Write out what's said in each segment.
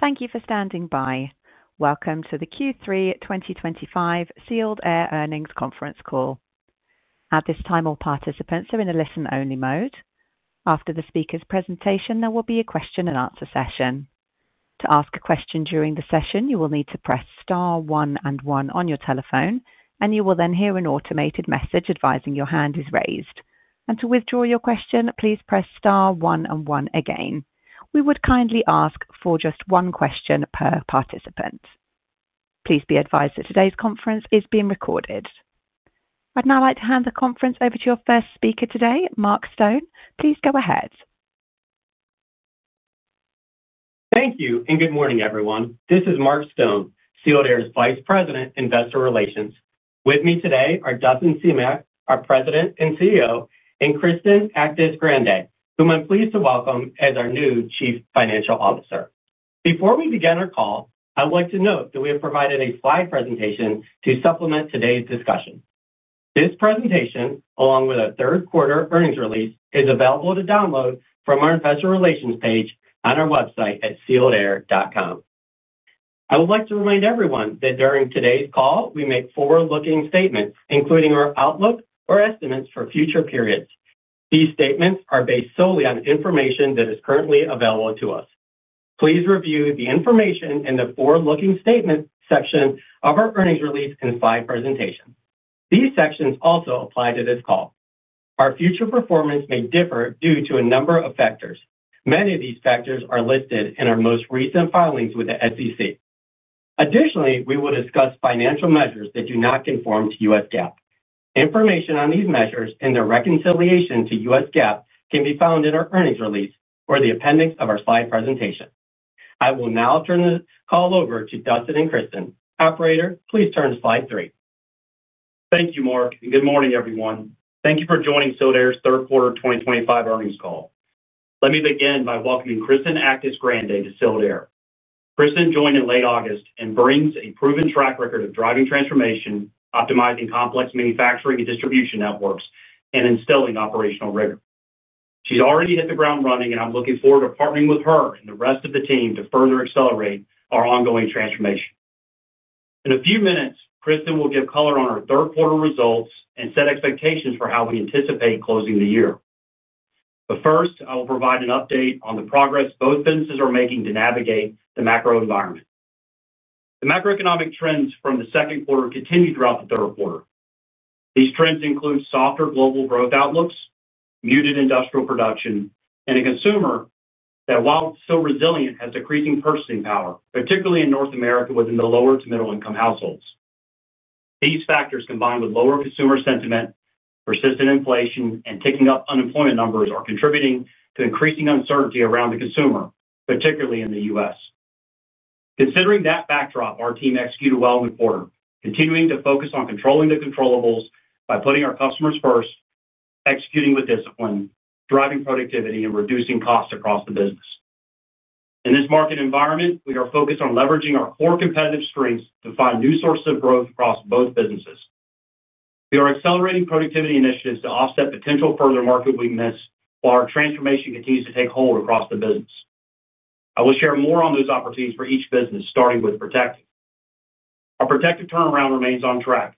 Thank you for standing by. Welcome to the Q3 2025 Sealed Air Earnings Conference Call. At this time, all participants are in a listen-only mode. After the speakers' presentation, there will be a question-and-answer session. To ask a question during the session, you will need to press Star 1 and 1 on your telephone, and you will then hear an automated message advising your hand is raised. To withdraw your question, please press Star 1 and 1 again. We would kindly ask for just one question per participant. Please be advised that today's conference is being recorded. I'd now like to hand the conference over to your first speaker today, Mark Stone. Please go ahead. Thank you, and good morning, everyone. This is Mark Stone, Sealed Air's Vice President, Investor Relations. With me today are Dustin Semach, our President and CEO, and Kristen Actis-Grande, whom I'm pleased to welcome as our new Chief Financial Officer. Before we begin our call, I would like to note that we have provided a slide presentation to supplement today's discussion. This presentation, along with our third-quarter earnings release, is available to download from our Investor Relations page on our website at sealedair.com. I would like to remind everyone that during today's call, we make forward-looking statements, including our outlook or estimates for future periods. These statements are based solely on information that is currently available to us. Please review the information in the forward-looking statement section of our earnings release and slide presentation. These sections also apply to this call. Our future performance may differ due to a number of factors. Many of these factors are listed in our most recent filings with the SEC. Additionally, we will discuss financial measures that do not conform to U.S. GAAP. Information on these measures and their reconciliation to U.S. GAAP can be found in our earnings release or the appendix of our slide presentation. I will now turn the call over to Dustin and Kristen. Operator, please turn to slide three. Thank you, Mark, and good morning, everyone. Thank you for joining Sealed Air's third-quarter 2025 earnings call. Let me begin by welcoming Kristen Actis-Grande to Sealed Air. Kristen joined in late August and brings a proven track record of driving transformation, optimizing complex manufacturing and distribution networks, and instilling operational rigor. She's already hit the ground running, and I'm looking forward to partnering with her and the rest of the team to further accelerate our ongoing transformation. In a few minutes, Kristen will give color on our third-quarter results and set expectations for how we anticipate closing the year. First, I will provide an update on the progress both businesses are making to navigate the macro environment. The macroeconomic trends from the second quarter continue throughout the third quarter. These trends include softer global growth outlooks, muted industrial production, and a consumer that, while still resilient, has decreasing purchasing power, particularly in North America within the lower to middle-income households. These factors, combined with lower consumer sentiment, persistent inflation, and ticking up unemployment numbers, are contributing to increasing uncertainty around the consumer, particularly in the U.S.. Considering that backdrop, our team executed well in the quarter, continuing to focus on controlling the controllable by putting our customers first, executing with discipline, driving productivity, and reducing costs across the business. In this market environment, we are focused on leveraging our core competitive strengths to find new sources of growth across both businesses. We are accelerating productivity initiatives to offset potential further market weakness while our transformation continues to take hold across the business. I will share more on those opportunities for each business, starting with Protective. Our Protective turnaround remains on track.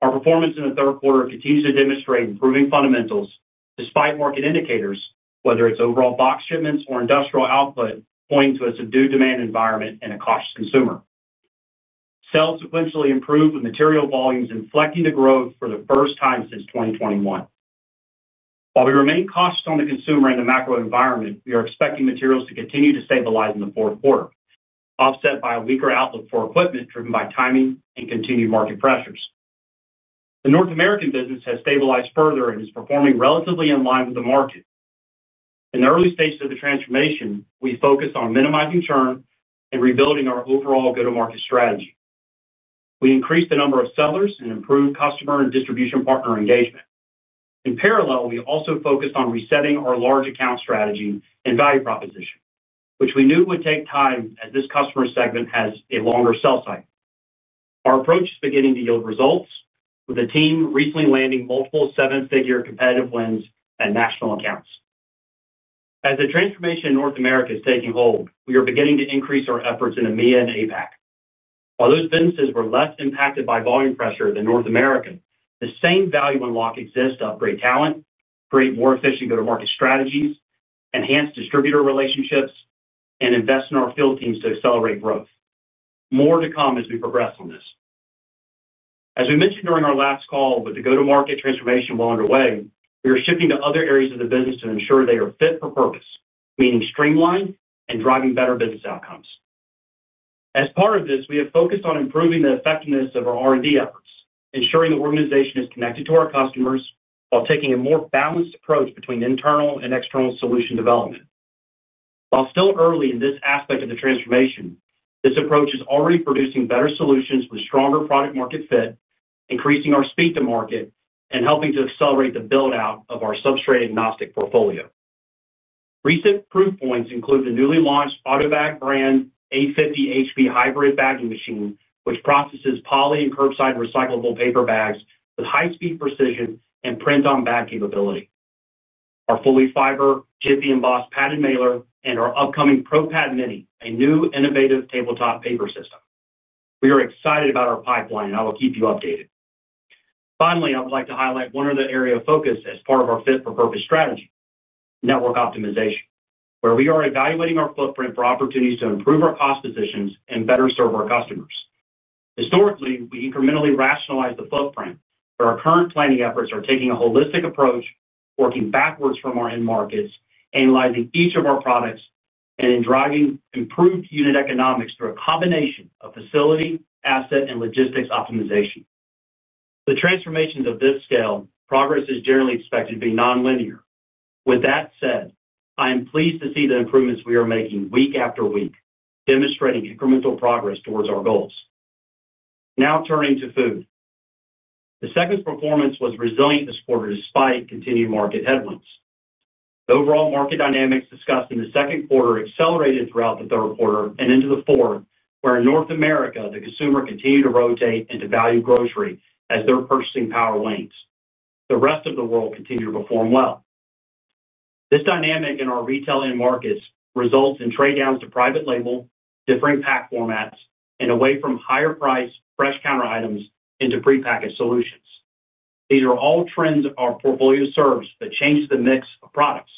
Our performance in the third quarter continues to demonstrate improving fundamentals despite market indicators, whether it's overall box shipments or industrial output, pointing to a subdued demand environment and a cautious consumer. Sales sequentially improved with material volumes inflecting the growth for the first time since 2021. While we remain cautious on the consumer and the macro environment, we are expecting materials to continue to stabilize in the fourth quarter, offset by a weaker outlook for equipment driven by timing and continued market pressures. The North American business has stabilized further and is performing relatively in line with the market. In the early stages of the transformation, we focused on minimizing churn and rebuilding our overall go-to-market strategy. We increased the number of sellers and improved customer and distribution partner engagement. In parallel, we also focused on resetting our large account strategy and value proposition, which we knew would take time as this customer segment has a longer sell cycle. Our approach is beginning to yield results, with the team recently landing multiple seven-figure competitive wins at national accounts. As the transformation in North America is taking hold, we are beginning to increase our efforts in EMEA and APAC. While those businesses were less impacted by volume pressure than North America, the same value unlock exists to upgrade talent, create more efficient go-to-market strategies, enhance distributor relationships, and invest in our field teams to accelerate growth. More to come as we progress on this. As we mentioned during our last call, with the go-to-market transformation well underway, we are shifting to other areas of the business to ensure they are fit for purpose, meaning streamlined and driving better business outcomes. As part of this, we have focused on improving the effectiveness of our R&D efforts, ensuring the organization is connected to our customers while taking a more balanced approach between internal and external solution development. While still early in this aspect of the transformation, this approach is already producing better solutions with stronger product-market fit, increasing our speed to market, and helping to accelerate the build-out of our substrate-agnostic portfolio. Recent proof points include the newly launched AUTOBAG 850HB Hybrid Bagging Machine, which processes poly and curbside recyclable paper bags with high-speed precision and print-on-bag capability. Our Foley Fiber Jiffy Emboss Padded Mailer and our upcoming ProPad Mini, a new innovative tabletop paper system. We are excited about our pipeline, and I will keep you updated. Finally, I would like to highlight one other area of focus as part of our fit-for-purpose strategy: network optimization, where we are evaluating our footprint for opportunities to improve our cost positions and better serve our customers. Historically, we incrementally rationalized the footprint, but our current planning efforts are taking a holistic approach, working backwards from our end markets, analyzing each of our products, and driving improved unit economics through a combination of facility, asset, and logistics optimization. With transformations of this scale, progress is generally expected to be non-linear. With that said, I am pleased to see the improvements we are making week after week, demonstrating incremental progress towards our goals. Now turning to food. The segment's performance was resilient this quarter despite continued market headwinds. Overall market dynamics discussed in the second quarter accelerated throughout the third quarter and into the fourth, where in North America, the consumer continued to rotate into value grocery as their purchasing power wanes. The rest of the world continued to perform well. This dynamic in our retail end markets results in trade-downs to private label, differing pack formats, and away from higher-priced fresh counter items into pre-packaged solutions. These are all trends our portfolio serves that change the mix of products.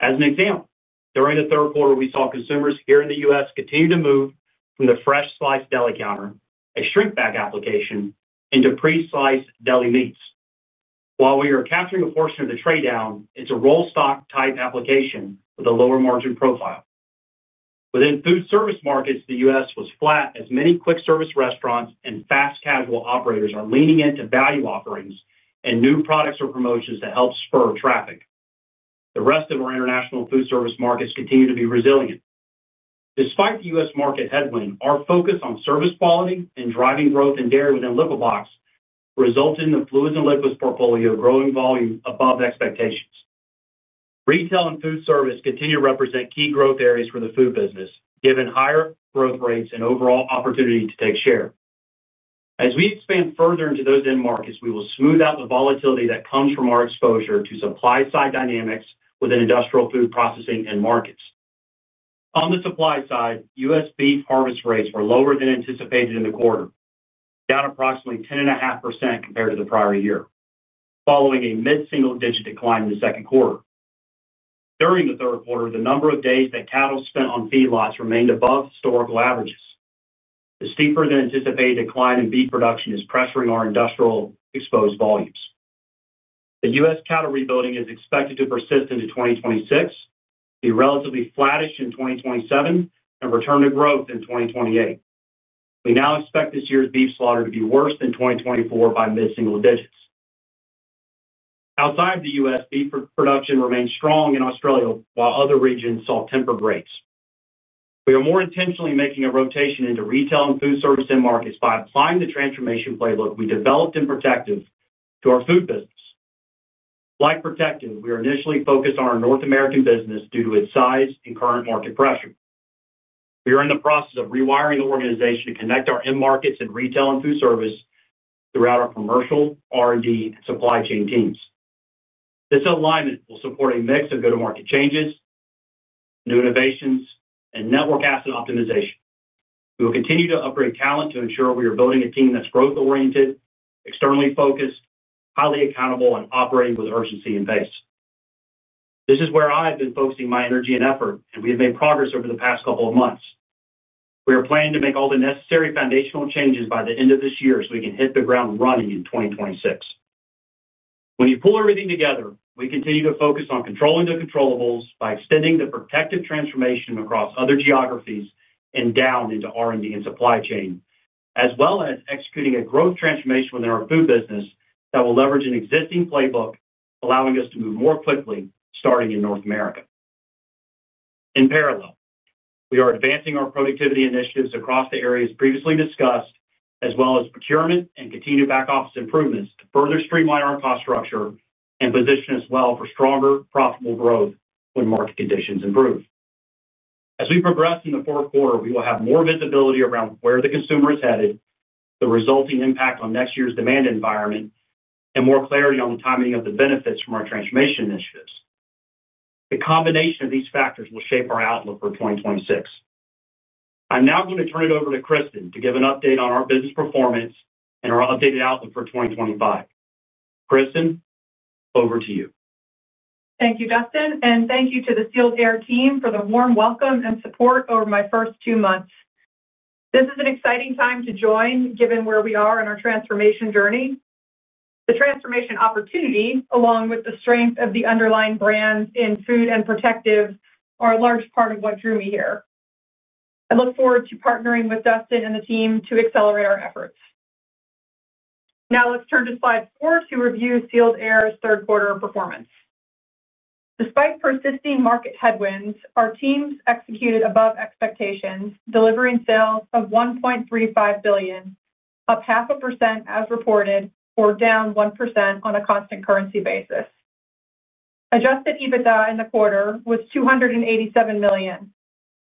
As an example, during the third quarter, we saw consumers here in the U.S. continue to move from the fresh sliced deli counter, a shrink bag application, into pre-sliced deli meats. While we are capturing a portion of the trade-down, it's a roll-stock type application with a lower margin profile. Within food service markets, the U.S. was flat as many quick-service restaurants and fast casual operators are leaning into value offerings and new products or promotions to help spur traffic. The rest of our international food service markets continue to be resilient. Despite the U.S. market headwind, our focus on service quality and driving growth in dairy within liquid blocks resulted in the fluids and liquids portfolio growing volume above expectations. Retail and food service continue to represent key growth areas for the food business, given higher growth rates and overall opportunity to take share. As we expand further into those end markets, we will smooth out the volatility that comes from our exposure to supply-side dynamics within industrial food processing and markets. On the supply side, U.S. beef harvest rates were lower than anticipated in the quarter, down approximately 10.5% compared to the prior year, following a mid-single-digit decline in the second quarter. During the third quarter, the number of days that cattle spent on feedlots remained above historical averages. The steeper-than-anticipated decline in beef production is pressuring our industrial exposed volumes. The U.S. cattle rebuilding is expected to persist into 2026, be relatively flattish in 2027, and return to growth in 2028. We now expect this year's beef slaughter to be worse than 2024 by mid-single digits. Outside of the U.S., beef production remained strong in Australia, while other regions saw tempered rates. We are more intentionally making a rotation into retail and food service end markets by applying the transformation playbook we developed in Protective to our food business. Like Protective, we are initially focused on our North American business due to its size and current market pressure. We are in the process of rewiring the organization to connect our end markets and retail and food service throughout our commercial, R&D, and supply chain teams. This alignment will support a mix of go-to-market changes, new innovations, and network asset optimization. We will continue to upgrade talent to ensure we are building a team that's growth-oriented, externally focused, highly accountable, and operating with urgency and pace. This is where I have been focusing my energy and effort, and we have made progress over the past couple of months. We are planning to make all the necessary foundational changes by the end of this year so we can hit the ground running in 2026. When you pull everything together, we continue to focus on controlling the controllable by extending the Protective transformation across other geographies and down into R&D and supply chain, as well as executing a growth transformation within our food business that will leverage an existing playbook, allowing us to move more quickly starting in North America. In parallel, we are advancing our productivity initiatives across the areas previously discussed, as well as procurement and continued back-office improvements to further streamline our cost structure and position us well for stronger, profitable growth when market conditions improve. As we progress in the fourth quarter, we will have more visibility around where the consumer is headed, the resulting impact on next year's demand environment, and more clarity on the timing of the benefits from our transformation initiatives. The combination of these factors will shape our outlook for 2026. I'm now going to turn it over to Kristen to give an update on our business performance and our updated outlook for 2025. Kristen, over to you. Thank you, Dustin, and thank you to the Sealed Air team for the warm welcome and support over my first two months. This is an exciting time to join, given where we are in our transformation journey. The transformation opportunity, along with the strength of the underlying brands in Food and Protective, are a large part of what drew me here. I look forward to partnering with Dustin and the team to accelerate our efforts. Now let's turn to slide 4 to review Sealed Air's third-quarter performance. Despite persisting market headwinds, our teams executed above expectations, delivering sales of $1.35 billion, up 0.5% as reported, or down 1% on a constant currency basis. Adjusted EBITDA in the quarter was $287 million,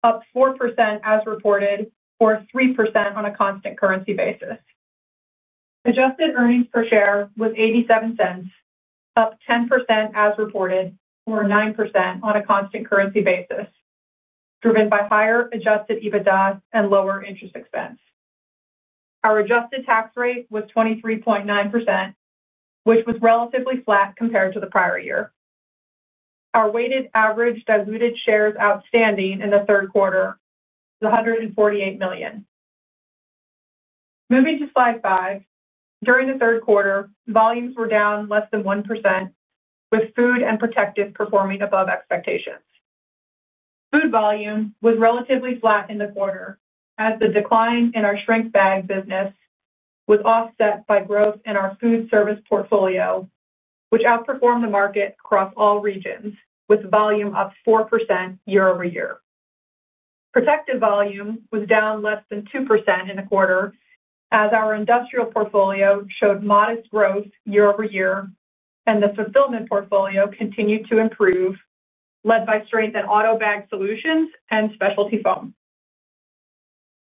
up 4% as reported, or 3% on a constant currency basis. Adjusted earnings per share was $0.87, up 10% as reported, or 9% on a constant currency basis, driven by higher adjusted EBITDA and lower interest expense. Our adjusted tax rate was 23.9%, which was relatively flat compared to the prior year. Our weighted average diluted shares outstanding in the third quarter was 148 million. Moving to slide 5, during the third quarter, volumes were down less than 1%, with Food and Protective performing above expectations. Food volume was relatively flat in the quarter, as the decline in our Shrink Bag business was offset by growth in our food service portfolio, which outperformed the market across all regions, with volume up 4% year over year. Protective volume was down less than 2% in the quarter, as our industrial portfolio showed modest growth year over year, and the Fulfillment Portfolio continued to improve, led by strength in AUTOBAG Solutions and specialty foam.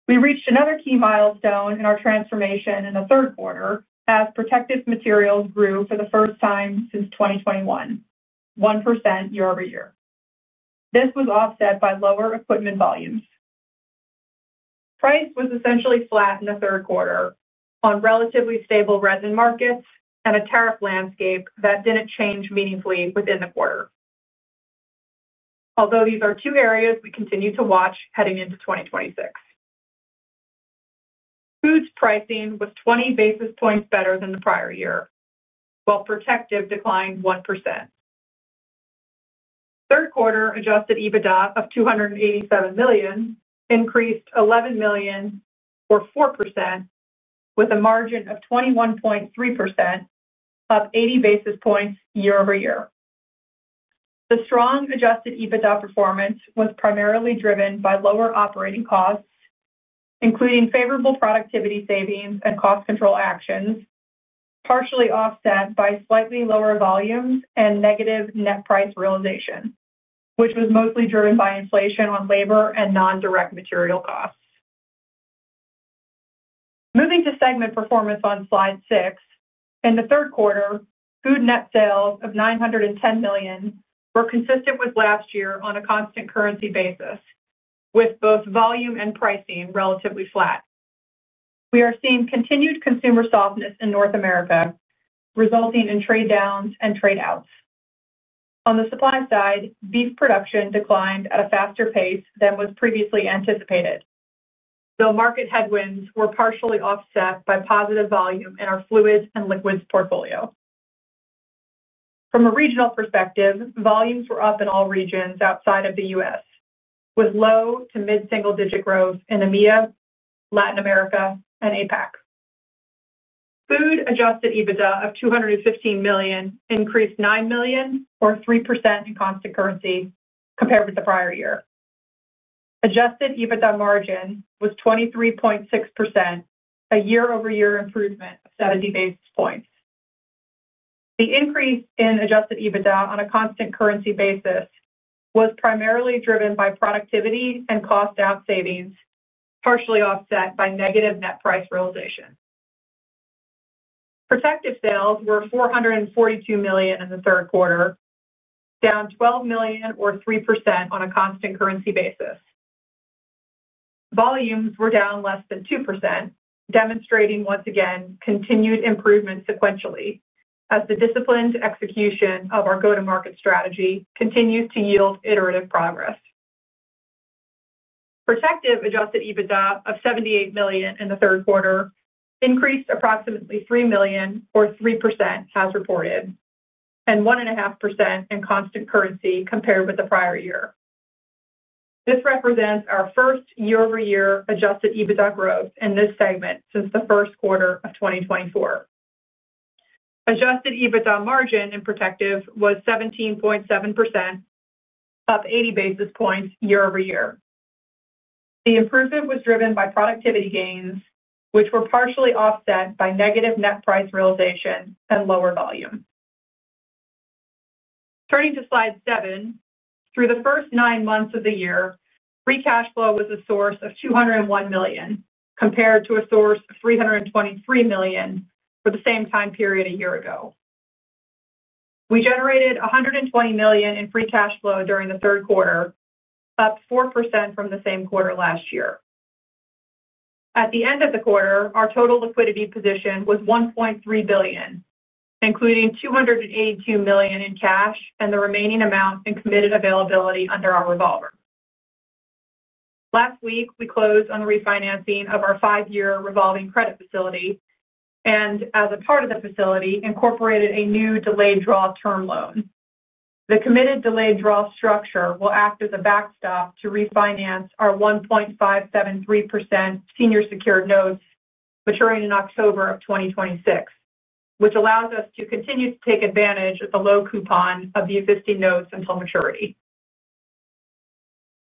We reached another key milestone in our transformation in the third quarter, as Protective materials grew for the first time since 2021, 1% year over year. This was offset by lower equipment volumes. Price was essentially flat in the third quarter on relatively stable resin markets and a tariff landscape that did not change meaningfully within the quarter. Although these are two areas we continue to watch heading into 2026. Food's pricing was 20 basis points better than the prior year, while Protective declined 1%. Third quarter adjusted EBITDA of $287 million increased $11 million, or 4%, with a margin of 21.3%, up 80 basis points year over year. The strong adjusted EBITDA performance was primarily driven by lower operating costs, including favorable productivity savings and cost control actions, partially offset by slightly lower volumes and negative net price realization, which was mostly driven by inflation on labor and non-direct material costs. Moving to segment performance on slide 6, in the third quarter, food net sales of $910 million were consistent with last year on a constant currency basis, with both volume and pricing relatively flat. We are seeing continued consumer softness in North America, resulting in trade-downs and trade-outs. On the supply side, beef production declined at a faster pace than was previously anticipated. Though market headwinds were partially offset by positive volume in our fluids and liquids portfolio. From a regional perspective, volumes were up in all regions outside of the U.S., with low to mid-single-digit growth in EMEA, Latin America, and APAC. Food adjusted EBITDA of $215 million increased $9 million, or 3% in constant currency, compared with the prior year. Adjusted EBITDA margin was 23.6%, a year-over-year improvement of 70 basis points. The increase in adjusted EBITDA on a constant currency basis was primarily driven by productivity and cost-down savings, partially offset by negative net price realization. Protective sales were $442 million in the third quarter, down $12 million, or 3% on a constant currency basis. Volumes were down less than 2%, demonstrating once again continued improvement sequentially, as the disciplined execution of our go-to-market strategy continues to yield iterative progress. Protective adjusted EBITDA of $78 million in the third quarter increased approximately $3 million, or 3%, as reported, and 1.5% in constant currency compared with the prior year. This represents our first year-over-year adjusted EBITDA growth in this segment since the first quarter of 2024. Adjusted EBITDA margin in Protective was 17.7%, up 80 basis points year over year. The improvement was driven by productivity gains, which were partially offset by negative net price realization and lower volume. Turning to slide 7, through the first nine months of the year, free cash flow was a source of $201 million compared to a source of $323 million for the same time period a year ago. We generated $120 million in free cash flow during the third quarter, up 4% from the same quarter last year. At the end of the quarter, our total liquidity position was $1.3 billion, including $282 million in cash and the remaining amount in committed availability under our revolver. Last week, we closed on refinancing of our five-year revolving credit facility and, as a part of the facility, incorporated a new delayed draw term loan. The committed delayed draw structure will act as a backstop to refinance our 1.573% senior secured notes maturing in October of 2026, which allows us to continue to take advantage of the low coupon of the existing notes until maturity.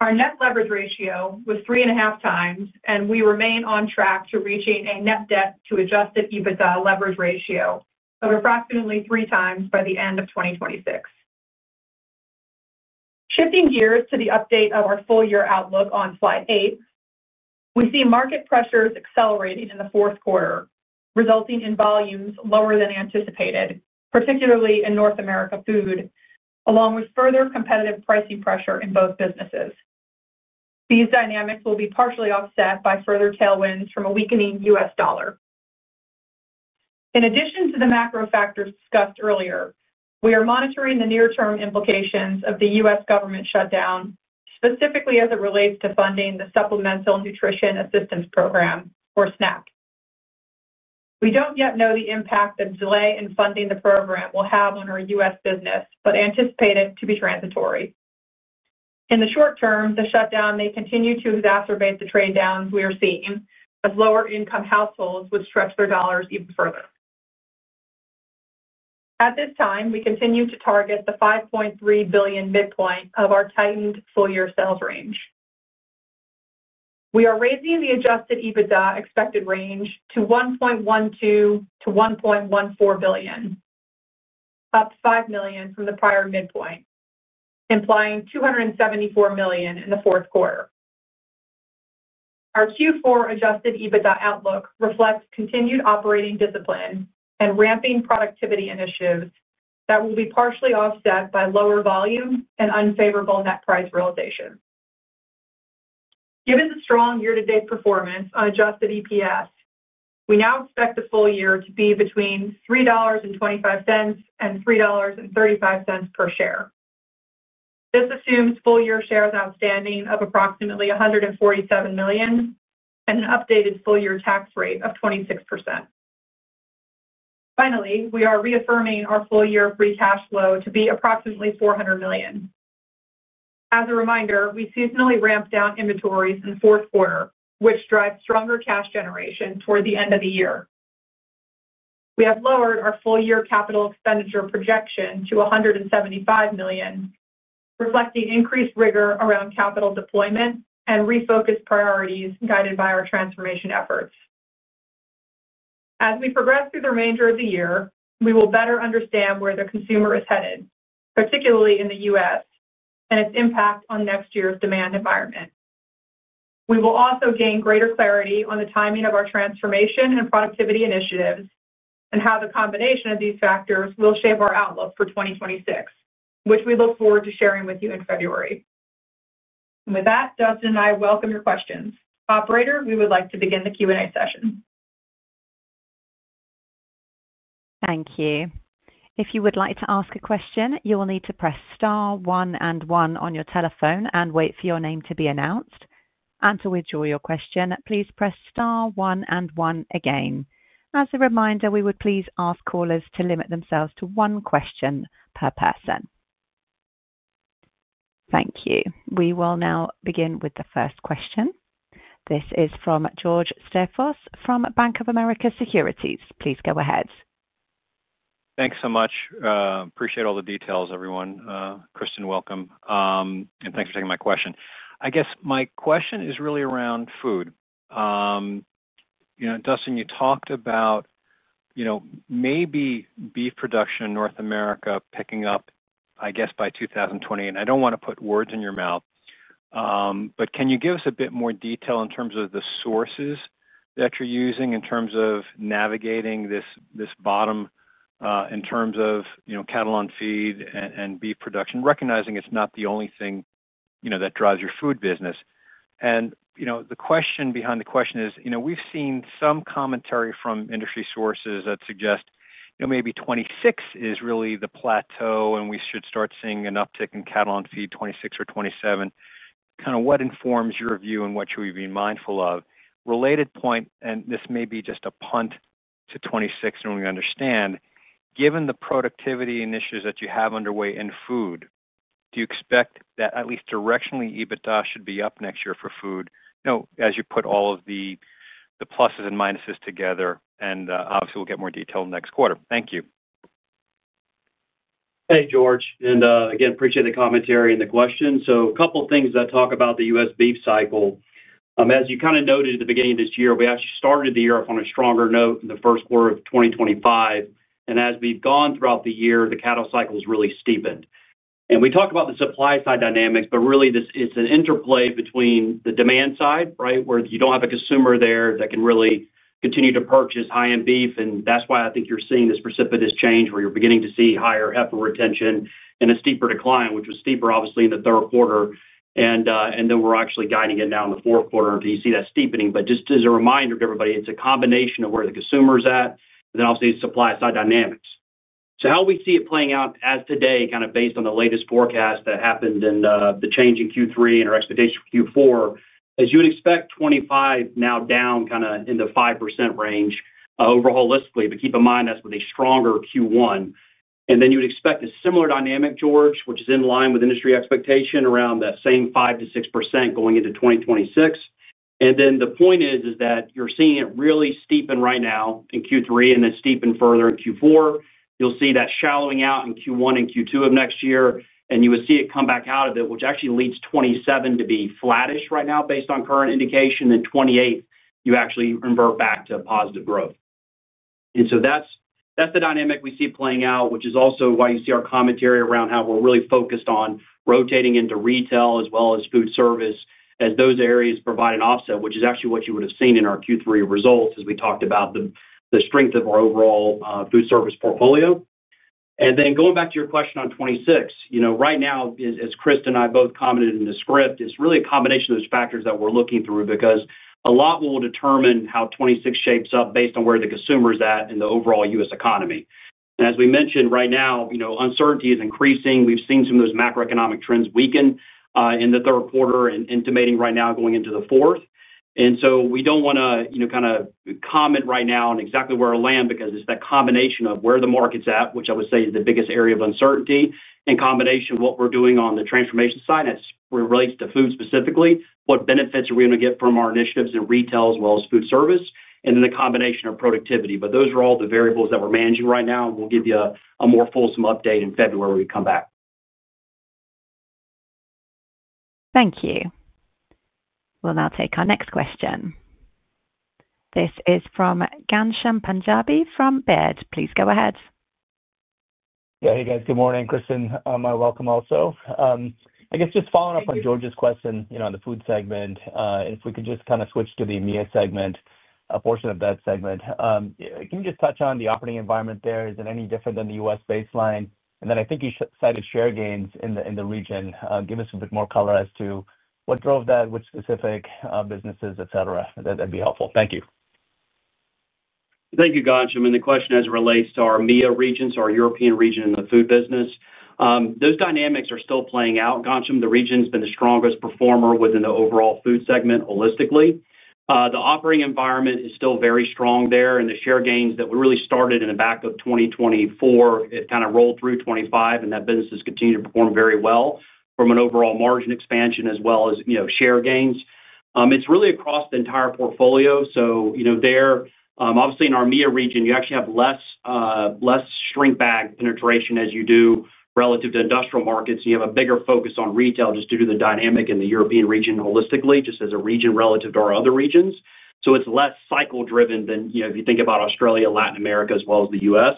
Our net leverage ratio was 3.5x, and we remain on track to reaching a net debt to adjusted EBITDA leverage ratio of approximately 3x by the end of 2026. Shifting gears to the update of our full-year outlook on slide 8, we see market pressures accelerating in the fourth quarter, resulting in volumes lower than anticipated, particularly in North America food, along with further competitive pricing pressure in both businesses. These dynamics will be partially offset by further tailwinds from a weakening U.S. dollar. In addition to the macro factors discussed earlier, we are monitoring the near-term implications of the U.S. government shutdown, specifically as it relates to funding the Supplemental Nutrition Assistance Program, or SNAP. We don't yet know the impact that delay in funding the program will have on our U.S. business, but anticipate it to be transitory. In the short term, the shutdown may continue to exacerbate the trade-downs we are seeing, as lower-income households would stretch their dollars even further. At this time, we continue to target the $5.3 billion midpoint of our tightened full-year sales range. We are raising the adjusted EBITDA expected range to $1.12 billion-$1.14 billion, up $5 million from the prior midpoint, implying $274 million in the fourth quarter. Our Q4 adjusted EBITDA outlook reflects continued operating discipline and ramping productivity initiatives that will be partially offset by lower volume and unfavorable net price realization. Given the strong year-to-date performance on adjusted EPS, we now expect the full year to be between $3.25 and $3.35 per share. This assumes full-year shares outstanding of approximately 147 million and an updated full-year tax rate of 26%. Finally, we are reaffirming our full-year free cash flow to be approximately $400 million. As a reminder, we seasonally ramped down inventories in the fourth quarter, which drives stronger cash generation toward the end of the year. We have lowered our full-year capital expenditure projection to $175 million, reflecting increased rigor around capital deployment and refocused priorities guided by our transformation efforts. As we progress through the remainder of the year, we will better understand where the consumer is headed, particularly in the U.S., and its impact on next year's demand environment. We will also gain greater clarity on the timing of our transformation and productivity initiatives and how the combination of these factors will shape our outlook for 2026, which we look forward to sharing with you in February. With that, Dustin and I welcome your questions. Operator, we would like to begin the Q&A session. Thank you. If you would like to ask a question, you will need to press star one and one on your telephone and wait for your name to be announced. To withdraw your question, please press star one and one again. As a reminder, we would please ask callers to limit themselves to one question per person. Thank you. We will now begin with the first question. This is from George Staphos from Bank of America Securities. Please go ahead. Thanks so much. Appreciate all the details, everyone. Kristen, welcome. And thanks for taking my question. I guess my question is really around food. Dustin, you talked about maybe beef production in North America picking up, I guess, by 2020. I do not want to put words in your mouth. Can you give us a bit more detail in terms of the sources that you are using in terms of navigating this bottom in terms of cattle on feed and beef production, recognizing it is not the only thing that drives your food business? The question behind the question is we have seen some commentary from industry sources that suggest maybe 2026 is really the plateau and we should start seeing an uptick in cattle on feed 2026 or 2027. Kind of what informs your view and what should we be mindful of? Related point, and this may be just a punt to 2026 and we understand, given the productivity initiatives that you have underway in food, do you expect that at least directionally EBITDA should be up next year for food as you put all of the pluses and minuses together? Obviously, we will get more detail next quarter. Thank you. Hey, George. Again, appreciate the commentary and the question. A couple of things that talk about the U.S. beef cycle. As you kind of noted at the beginning of this year, we actually started the year off on a stronger note in the first quarter of 2025. As we've gone throughout the year, the cattle cycle has really steepened. We talk about the supply side dynamics, but really, it's an interplay between the demand side, right, where you don't have a consumer there that can really continue to purchase high-end beef. That's why I think you're seeing this precipitous change where you're beginning to see higher heifer retention and a steeper decline, which was steeper, obviously, in the third quarter. We're actually guiding it now in the fourth quarter until you see that steepening. Just as a reminder to everybody, it's a combination of where the consumer is at and then obviously supply side dynamics. How we see it playing out as of today, kind of based on the latest forecast that happened in the change in Q3 and our expectation for Q4, as you would expect, 2025 now down kind of in the 5% range overall holistically. Keep in mind that's with a stronger Q1. You would expect a similar dynamic, George, which is in line with industry expectation around that same 5%-6% going into 2026. The point is that you're seeing it really steepen right now in Q3 and then steepen further in Q4. You'll see that shallowing out in Q1 and Q2 of next year. You would see it come back out of it, which actually leads 2027 to be flattish right now based on current indication. In 2028, you actually revert back to positive growth. That's the dynamic we see playing out, which is also why you see our commentary around how we're really focused on rotating into retail as well as food service as those areas provide an offset, which is actually what you would have seen in our Q3 results as we talked about the strength of our overall food service portfolio. Going back to your question on 2026, right now, as Kristen and I both commented in the script, it's really a combination of those factors that we're looking through because a lot will determine how 2026 shapes up based on where the consumer is at in the overall U.S. economy. As we mentioned, right now, uncertainty is increasing. We've seen some of those macroeconomic trends weaken in the third quarter and intimating right now going into the fourth. We do not want to kind of comment right now on exactly where we are landing because it is that combination of where the market is at, which I would say is the biggest area of uncertainty, in combination with what we are doing on the transformation side as it relates to food specifically, what benefits are we going to get from our initiatives in retail as well as food service, and then the combination of productivity. Those are all the variables that we are managing right now. We will give you a more fulsome update in February when we come back. Thank you. We'll now take our next question. This is from Ghansham Panjabi from Baird. Please go ahead. Yeah, hey, guys. Good morning, Kristen. My welcome also. I guess just following up on George's question on the Food segment, if we could just kind of switch to the EMEA segment, a portion of that segment. Can you just touch on the operating environment there? Is it any different than the U.S. baseline? I think you cited share gains in the region. Give us a bit more color as to what drove that, which specific businesses, et cetera. That'd be helpful. Thank you. Thank you, Ghansham. The question as it relates to our EMEA region, so our European region in the food business. Those dynamics are still playing out. Ghansham, the region has been the strongest performer within the overall Food segment holistically. The operating environment is still very strong there. The share gains that we really started in the back of 2024 kind of rolled through 2025. That business has continued to perform very well from an overall margin expansion as well as share gains. It is really across the entire portfolio. There, obviously, in our EMEA region, you actually have less Shrink Bag penetration as you do relative to industrial markets. You have a bigger focus on retail just due to the dynamic in the European region holistically, just as a region relative to our other regions. It is less cycle-driven than if you think about Australia, Latin America, as well as the U.S..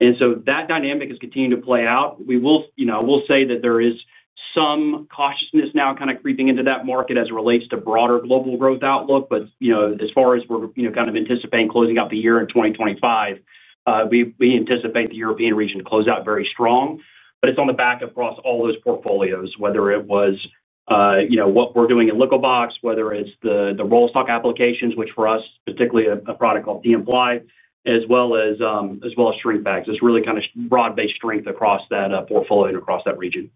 That dynamic is continuing to play out. I will say that there is some cautiousness now kind of creeping into that market as it relates to broader global growth outlook. As far as we are kind of anticipating closing out the year in 2025, we anticipate the European region to close out very strong. It is on the back of across all those portfolios, whether it was what we are doing in Liquibox, whether it is the roll stock applications, which for us, particularly a product called TM-Ply, as well as Shrink Bags. It is really kind of broad-based strength across that portfolio and across that region.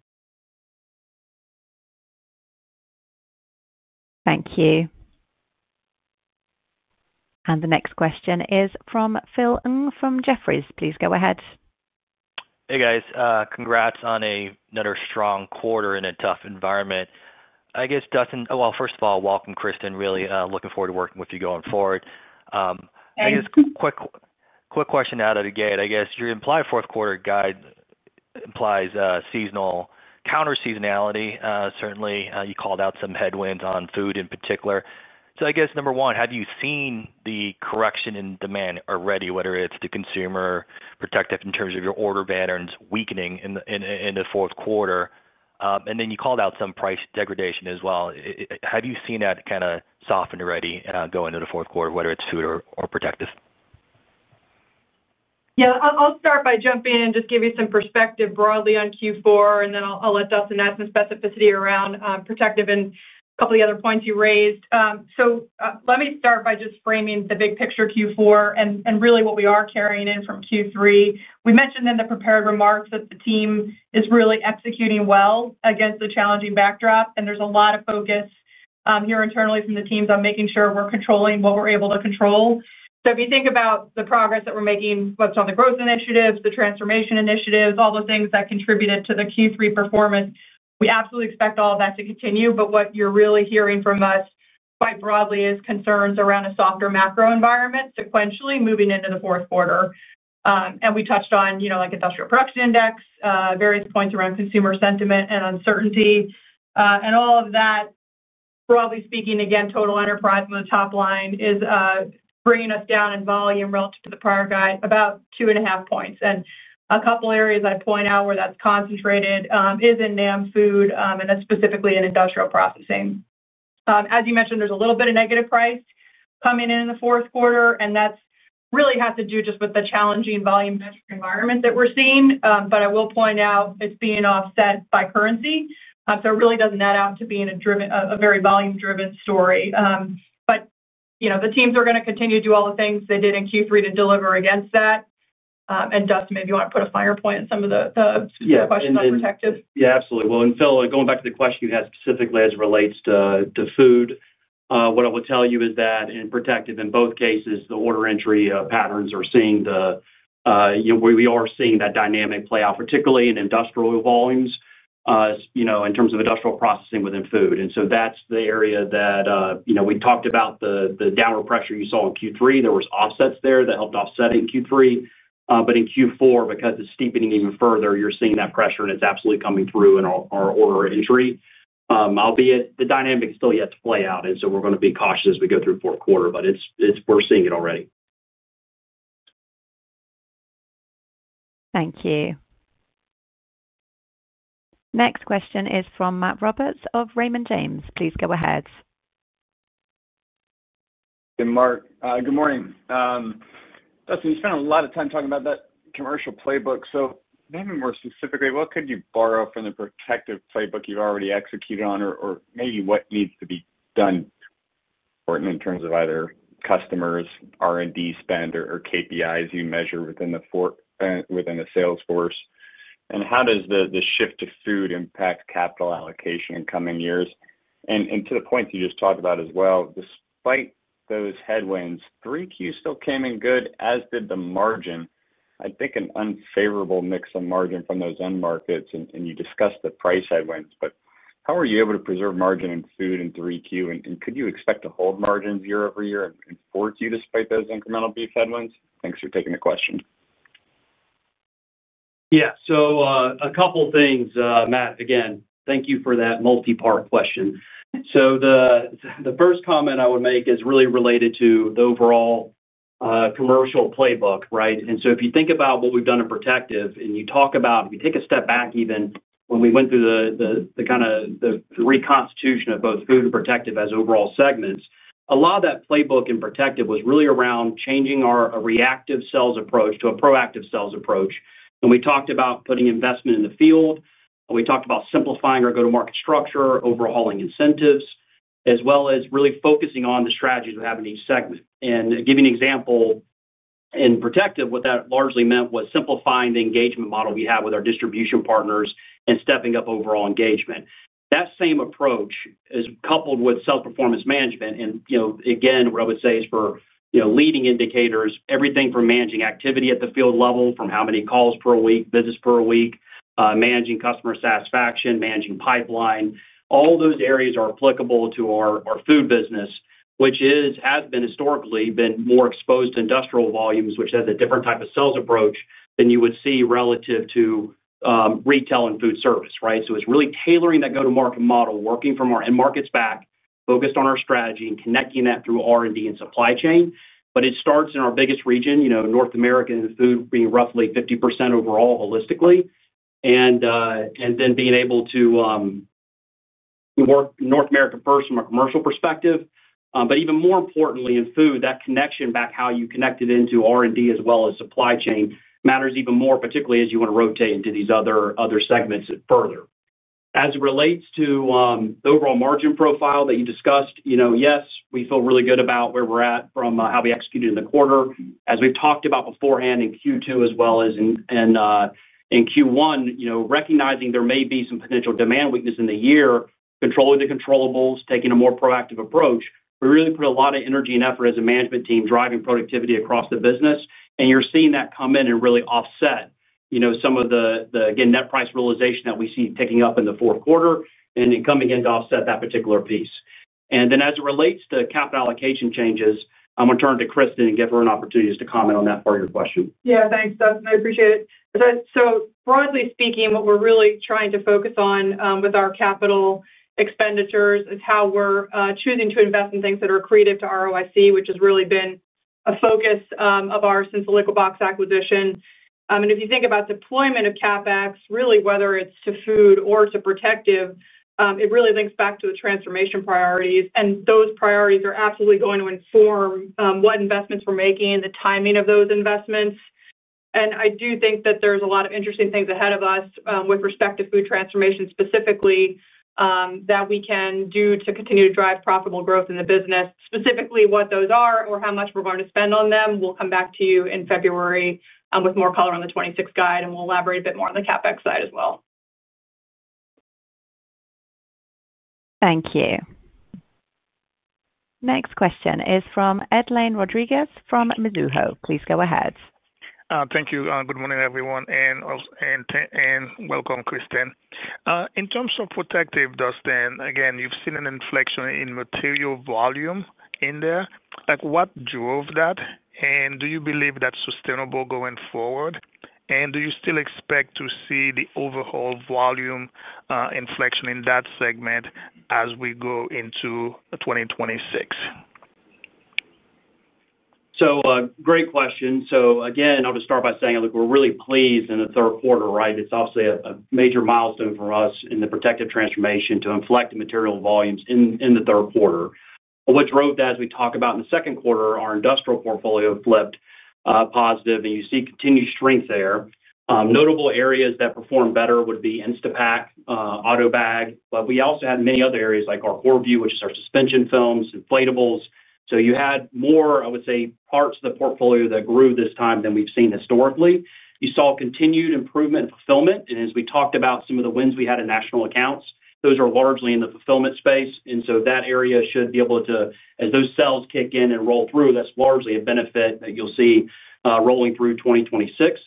Thank you. The next question is from Phil Ng from Jefferies. Please go ahead. Hey, guys. Congrats on another strong quarter in a tough environment. I guess, Dustin—first of all, welcome, Kristen. Really looking forward to working with you going forward. I guess. Thank you. Quick question out of the gate. I guess your implied fourth-quarter guide implies seasonal counter-seasonality. Certainly, you called out some headwinds on food in particular. I guess, number one, have you seen the correction in demand already, whether it's the consumer protective in terms of your order patterns weakening in the fourth quarter? You called out some price degradation as well. Have you seen that kind of softened already going into the fourth quarter, whether it's Food or Protective? Yeah. I'll start by jumping in and just give you some perspective broadly on Q4. Then I'll let Dustin add some specificity around Protective and a couple of the other points you raised. Let me start by just framing the big picture Q4 and really what we are carrying in from Q3. We mentioned in the prepared remarks that the team is really executing well against the challenging backdrop. There's a lot of focus here internally from the teams on making sure we're controlling what we're able to control. If you think about the progress that we're making, whether it's on the growth initiatives, the transformation initiatives, all the things that contributed to the Q3 performance, we absolutely expect all of that to continue. What you're really hearing from us quite broadly is concerns around a softer macro environment sequentially moving into the fourth quarter. We touched on industrial production index, various points around consumer sentiment and uncertainty, and all of that. Broadly speaking, again, total enterprise on the top line is bringing us down in volume relative to the prior guide about 2.5 points. A couple of areas I'd point out where that's concentrated is in NEM food, and that's specifically in industrial processing. As you mentioned, there's a little bit of negative price coming in in the fourth quarter. That really has to do just with the challenging volume metric environment that we're seeing. I will point out it's being offset by currency, so it really doesn't add on to being a very volume-driven story. The teams are going to continue to do all the things they did in Q3 to deliver against that. Dustin, maybe you want to put a finer point on some of the questions on Protective. Yeah, absolutely. Phil, going back to the question you had specifically as it relates to food, what I would tell you is that in Protective, in both cases, the order entry patterns are seeing the—we are seeing that dynamic play out, particularly in industrial volumes. In terms of industrial processing within food, that's the area that we talked about the downward pressure you saw in Q3. There were offsets there that helped offset it in Q3. In Q4, because it is steepening even further, you are seeing that pressure. It is absolutely coming through in our order entry, albeit the dynamic is still yet to play out. We are going to be cautious as we go through fourth quarter. We are seeing it already. Thank you. Next question is from Matt Roberts of Raymond James. Please go ahead. Hey, Mark. Good morning. Dustin, you spent a lot of time talking about that commercial playbook. Maybe more specifically, what could you borrow from the Protective playbook you've already executed on, or maybe what needs to be done. Important in terms of either customers, R&D spend, or KPIs you measure within the Salesforce? How does the shift to food impact capital allocation in coming years? To the points you just talked about as well, despite those headwinds, 3Q still came in good, as did the margin. I think an unfavorable mix of margin from those end markets. You discussed the price headwinds. How are you able to preserve margin in food in 3Q? Could you expect to hold margins year over year in 4Q despite those incremental beef headwinds? Thanks for taking the question. Yeah. So a couple of things, Matt. Again, thank you for that multi-part question. The first comment I would make is really related to the overall commercial playbook, right? If you think about what we've done in Protective, and you talk about—if you take a step back even when we went through the kind of reconstitution of both Food and Protective as overall segments, a lot of that playbook in Protective was really around changing our reactive sales approach to a proactive sales approach. We talked about putting investment in the field. We talked about simplifying our go-to-market structure, overhauling incentives, as well as really focusing on the strategies we have in each segment. To give you an example, in Protective, what that largely meant was simplifying the engagement model we have with our distribution partners and stepping up overall engagement. That same approach is coupled with self-performance management. What I would say is for leading indicators, everything from managing activity at the field level, from how many calls per week, business per week, managing customer satisfaction, managing pipeline, all those areas are applicable to our food business, which has been historically more exposed to industrial volumes, which has a different type of sales approach than you would see relative to retail and food service, right? It is really tailoring that go-to-market model, working from our end markets back, focused on our strategy, and connecting that through R&D and supply chain. It starts in our biggest region, North America, and food being roughly 50% overall holistically, and then being able to work North America first from a commercial perspective. Even more importantly, in food, that connection back, how you connect it into R&D as well as supply chain matters even more, particularly as you want to rotate into these other segments further. As it relates to the overall margin profile that you discussed, yes, we feel really good about where we're at from how we executed in the quarter. As we've talked about beforehand in Q2 as well as in Q1, recognizing there may be some potential demand weakness in the year, controlling the controllables, taking a more proactive approach, we really put a lot of energy and effort as a management team driving productivity across the business. You're seeing that come in and really offset some of the, again, net price realization that we see picking up in the fourth quarter and coming in to offset that particular piece. As it relates to capital allocation changes, I'm going to turn to Kristen and give her an opportunity just to comment on that part of your question. Yeah, thanks, Dustin. I appreciate it. Broadly speaking, what we're really trying to focus on with our capital expenditures is how we're choosing to invest in things that are accretive to ROIC, which has really been a focus of ours since the Liquibox acquisition. If you think about deployment of CapEx, whether it's to Food or to Protective, it really links back to the transformation priorities. Those priorities are absolutely going to inform what investments we're making, the timing of those investments. I do think that there's a lot of interesting things ahead of us with respect to food transformation specifically that we can do to continue to drive profitable growth in the business. Specifically, what those are or how much we're going to spend on them, we'll come back to you in February with more color on the 2026 guide. We'll elaborate a bit more on the CapEx side as well. Thank you. Next question is from Edlain Rodriguez from Mizuho. Please go ahead. Thank you. Good morning, everyone. Welcome, Kristen. In terms of Protective, Dustin, again, you've seen an inflection in material volume in there. What drove that? Do you believe that's sustainable going forward? Do you still expect to see the overall volume inflection in that segment as we go into 2026? Great question. Again, I'll just start by saying, look, we're really pleased in the third quarter, right? It's obviously a major milestone for us in the Protective transformation to inflect the material volumes in the third quarter. What drove that, as we talk about in the second quarter, our industrial portfolio flipped positive. You see continued strength there. Notable areas that performed better would be Instapak, AUTOBAG. We also had many other areas like our core view, which is our suspension films, inflatables. You had more, I would say, parts of the portfolio that grew this time than we've seen historically. You saw continued improvement in fulfillment. As we talked about, some of the wins we had in national accounts are largely in the fulfillment space. That area should be able to, as those sales kick in and roll through, that's largely a benefit that you'll see rolling through 2026.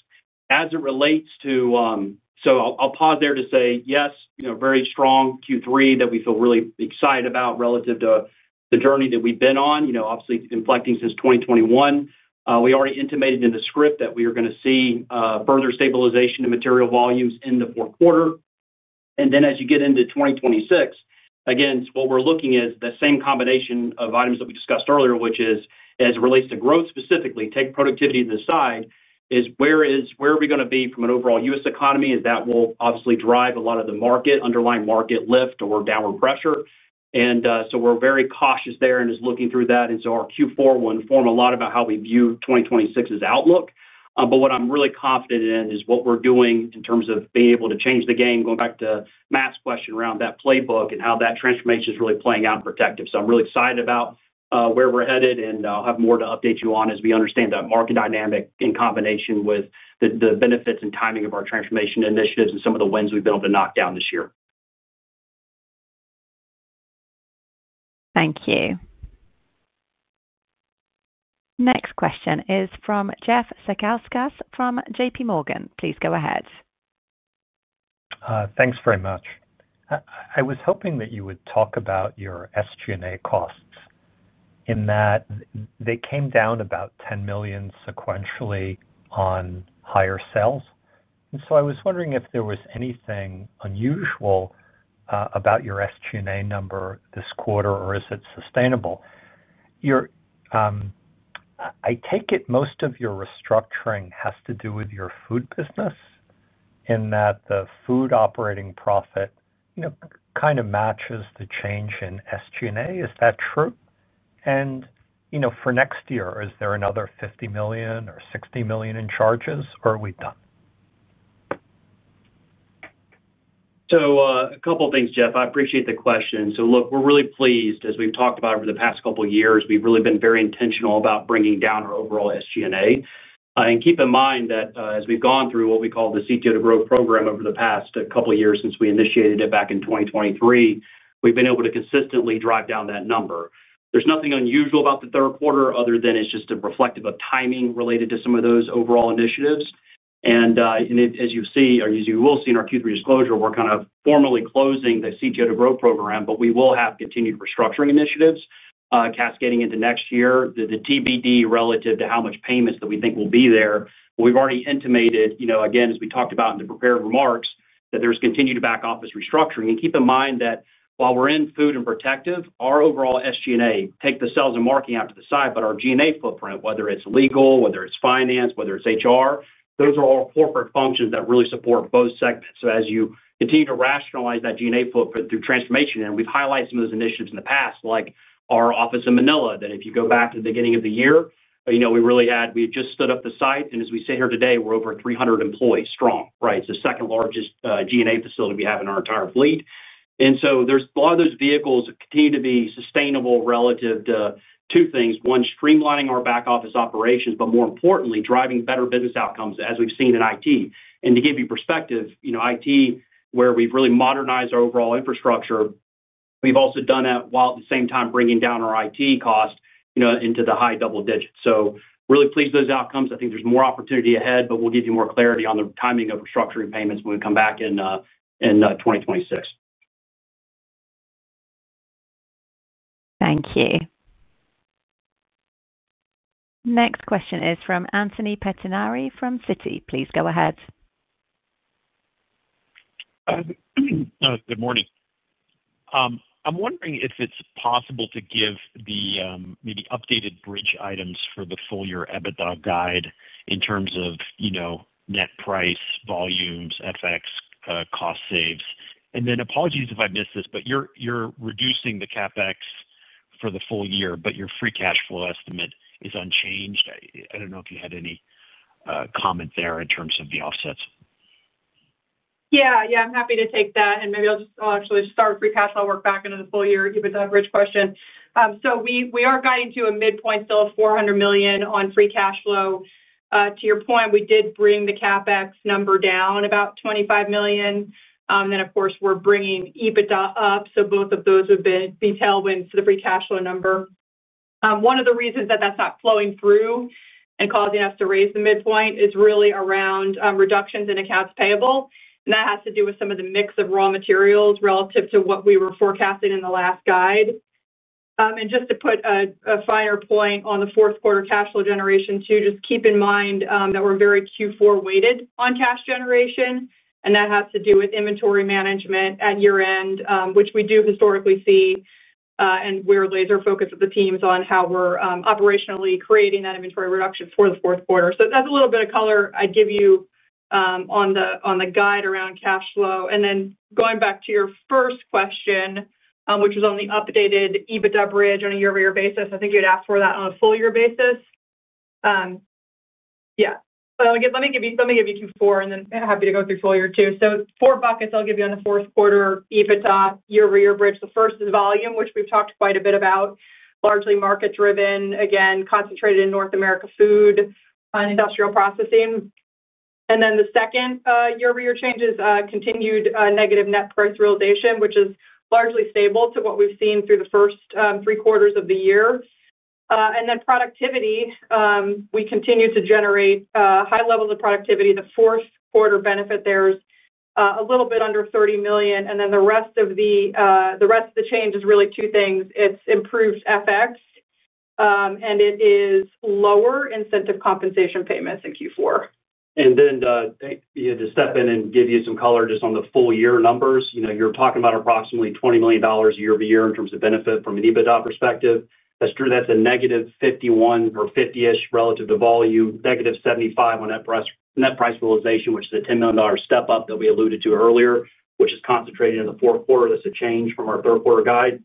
As it relates to— I'll pause there to say, yes, very strong Q3 that we feel really excited about relative to the journey that we've been on, obviously inflecting since 2021. We already intimated in the script that we are going to see further stabilization in material volumes in the fourth quarter. As you get into 2026, again, what we're looking at is the same combination of items that we discussed earlier, which is, as it relates to growth specifically, take productivity to the side, where are we going to be from an overall U.S. economy? That will obviously drive a lot of the market, underlying market lift or downward pressure. We're very cautious there and just looking through that. Our Q4 will inform a lot about how we view 2026's outlook. What I'm really confident in is what we're doing in terms of being able to change the game, going back to Matt's question around that playbook and how that transformation is really playing out in Protective. I'm really excited about where we're headed. I'll have more to update you on as we understand that market dynamic in combination with the benefits and timing of our transformation initiatives and some of the wins we've been able to knock down this year. Thank you. Next question is from Jeff Zekauskas from JPMorgan. Please go ahead. Thanks very much. I was hoping that you would talk about your SG&A costs in that they came down about $10 million sequentially on higher sales. I was wondering if there was anything unusual about your SG&A number this quarter, or is it sustainable? I take it most of your restructuring has to do with your food business. In that the food operating profit kind of matches the change in SG&A. Is that true? For next year, is there another $50 million or $60 million in charges, or are we done? A couple of things, Jeff. I appreciate the question. Look, we're really pleased. As we've talked about over the past couple of years, we've really been very intentional about bringing down our overall SG&A. Keep in mind that as we've gone through what we call the CTO2Grow Program over the past couple of years since we initiated it back in 2023, we've been able to consistently drive down that number. There's nothing unusual about the third quarter other than it's just reflective of timing related to some of those overall initiatives. As you will see in our Q3 disclosure, we're kind of formally closing the CTO2Grow Program, but we will have continued restructuring initiatives cascading into next year. The TBD relative to how much payments that we think will be there. We've already intimated, again, as we talked about in the prepared remarks, that there's continued back office restructuring. Keep in mind that while we're in Food and Protective, our overall SG&A, take the sales and marketing out to the side, but our G&A footprint, whether it's legal, whether it's finance, whether it's HR, those are all corporate functions that really support both segments. As you continue to rationalize that G&A footprint through transformation, and we've highlighted some of those initiatives in the past, like our office in Manila, if you go back to the beginning of the year, we really had just stood up the site. As we sit here today, we're over 300 employees strong, right? It's the second largest G&A facility we have in our entire fleet. There's a lot of those vehicles that continue to be sustainable relative to two things: one, streamlining our back office operations, but more importantly, driving better business outcomes as we've seen in IT. To give you perspective, IT, where we've really modernized our overall infrastructure, we've also done that while at the same time bringing down our IT cost into the high double digits. Really pleased with those outcomes. I think there's more opportunity ahead, but we'll give you more clarity on the timing of restructuring payments when we come back in 2026. Thank you. Next question is from Anthony Pettinari from Citi. Please go ahead. Good morning. I'm wondering if it's possible to give the maybe updated bridge items for the full year EBITDA guide in terms of net price, volumes, FX, cost saves. And then apologies if I missed this, but you're reducing the CapEx for the full year, but your free cash flow estimate is unchanged. I don't know if you had any comment there in terms of the offsets. Yeah. I'm happy to take that. Maybe I'll actually start with free cash flow, work back into the full year EBITDA bridge question. We are guiding to a midpoint still of $400 million on free cash flow. To your point, we did bring the CapEx number down about $25 million. Of course, we're bringing EBITDA up. Both of those have been detailed wins to the free cash flow number. One of the reasons that that's not flowing through and causing us to raise the midpoint is really around reductions in accounts payable. That has to do with some of the mix of raw materials relative to what we were forecasting in the last guide. Just to put a finer point on the fourth quarter cash flow generation too, just keep in mind that we're very Q4 weighted on cash generation. That has to do with inventory management at year-end, which we do historically see. We're laser-focused with the teams on how we're operationally creating that inventory reduction for the fourth quarter. That's a little bit of color I'd give you on the guide around cash flow. Going back to your first question, which was on the updated EBITDA bridge on a year-over-year basis, I think you had asked for that on a full-year basis. Yeah. Let me give you Q4, and then happy to go through full year too. Four buckets I'll give you on the fourth quarter EBITDA year-over-year bridge. The first is volume, which we've talked quite a bit about, largely market-driven, again, concentrated in North America food and industrial processing. The second year-over-year change is continued negative net price realization, which is largely stable to what we've seen through the first three quarters of the year. Productivity, we continue to generate high levels of productivity. The fourth quarter benefit there is a little bit under $30 million. The rest of the change is really two things. It's improved FX and it is lower incentive compensation payments in Q4. To step in and give you some color just on the full year numbers, you're talking about approximately $20 million year-over-year in terms of benefit from an EBITDA perspective. That's a negative 51 or 50-ish relative to volume, negative 75 on net price realization, which is a $10 million step up that we alluded to earlier, which is concentrated in the fourth quarter. That's a change from our third quarter guide.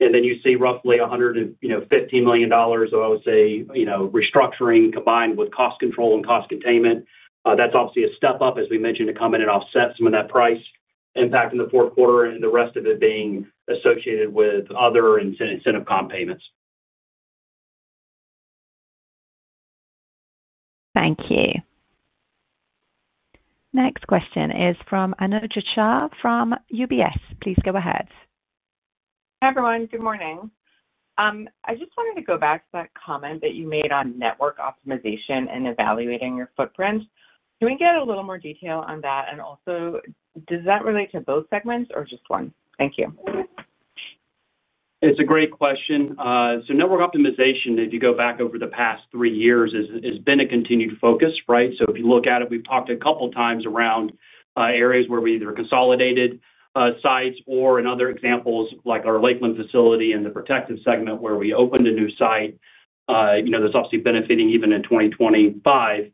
You see roughly $115 million, I would say, restructuring combined with cost control and cost containment. That's obviously a step up, as we mentioned, to come in and offset some of that price impact in the fourth quarter and the rest of it being associated with other incentive comp payments. Thank you. Next question is from Anuj Chah from UBS. Please go ahead. Hi, everyone. Good morning. I just wanted to go back to that comment that you made on network optimization and evaluating your footprint. Can we get a little more detail on that? Also, does that relate to both segments or just one? Thank you. It's a great question. Network optimization, if you go back over the past three years, has been a continued focus, right? If you look at it, we've talked a couple of times around areas where we either consolidated sites or in other examples like our Lakeland facility in the Protective segment where we opened a new site. That's obviously benefiting even in 2025.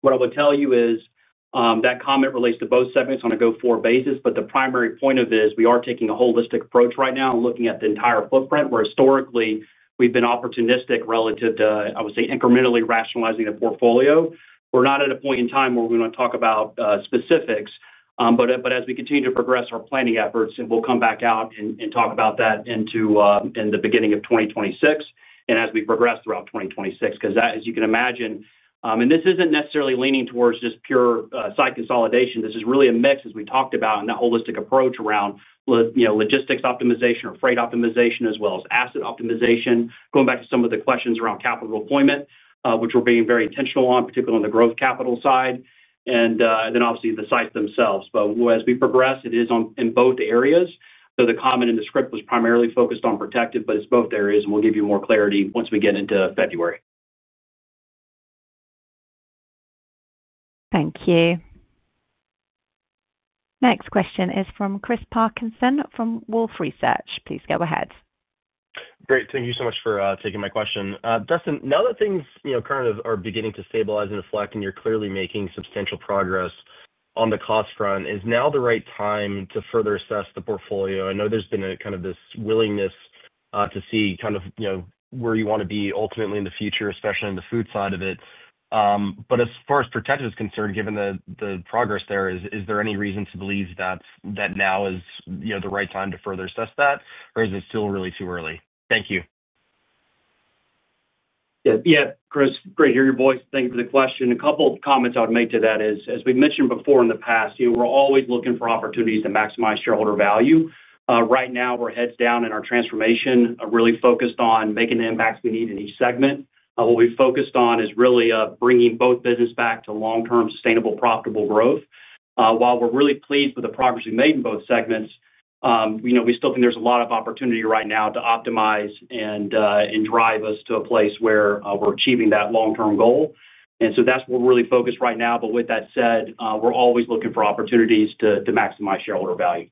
What I would tell you is that comment relates to both segments on a go-forward basis. The primary point of it is we are taking a holistic approach right now and looking at the entire footprint where historically we've been opportunistic relative to, I would say, incrementally rationalizing the portfolio. We're not at a point in time where we're going to talk about specifics. As we continue to progress our planning efforts, we'll come back out and talk about that in the beginning of 2026 and as we progress throughout 2026. As you can imagine, this isn't necessarily leaning towards just pure site consolidation. This is really a mix, as we talked about, and that holistic approach around logistics optimization or freight optimization, as well as asset optimization, going back to some of the questions around capital deployment, which we're being very intentional on, particularly on the growth capital side, and then obviously the sites themselves. As we progress, it is in both areas. The comment in the script was primarily focused on Protective, but it's both areas, and we'll give you more clarity once we get into February. Thank you. Next question is from Chris Parkinson from Wolfe Research. Please go ahead. Great. Thank you so much for taking my question. Dustin, now that things kind of are beginning to stabilize and reflect, and you're clearly making substantial progress on the cost front, is now the right time to further assess the portfolio? I know there's been kind of this willingness to see kind of where you want to be ultimately in the future, especially in the food side of it. As far as Protective is concerned, given the progress there, is there any reason to believe that now is the right time to further assess that, or is it still really too early? Thank you. Yeah. Chris, great to hear your voice. Thank you for the question. A couple of comments I would make to that is, as we've mentioned before in the past, we're always looking for opportunities to maximize shareholder value. Right now, we're heads down in our transformation, really focused on making the impacts we need in each segment. What we've focused on is really bringing both business back to long-term sustainable, profitable growth. While we're really pleased with the progress we made in both segments, we still think there's a lot of opportunity right now to optimize and drive us to a place where we're achieving that long-term goal. That is what we're really focused on right now. With that said, we're always looking for opportunities to maximize shareholder value.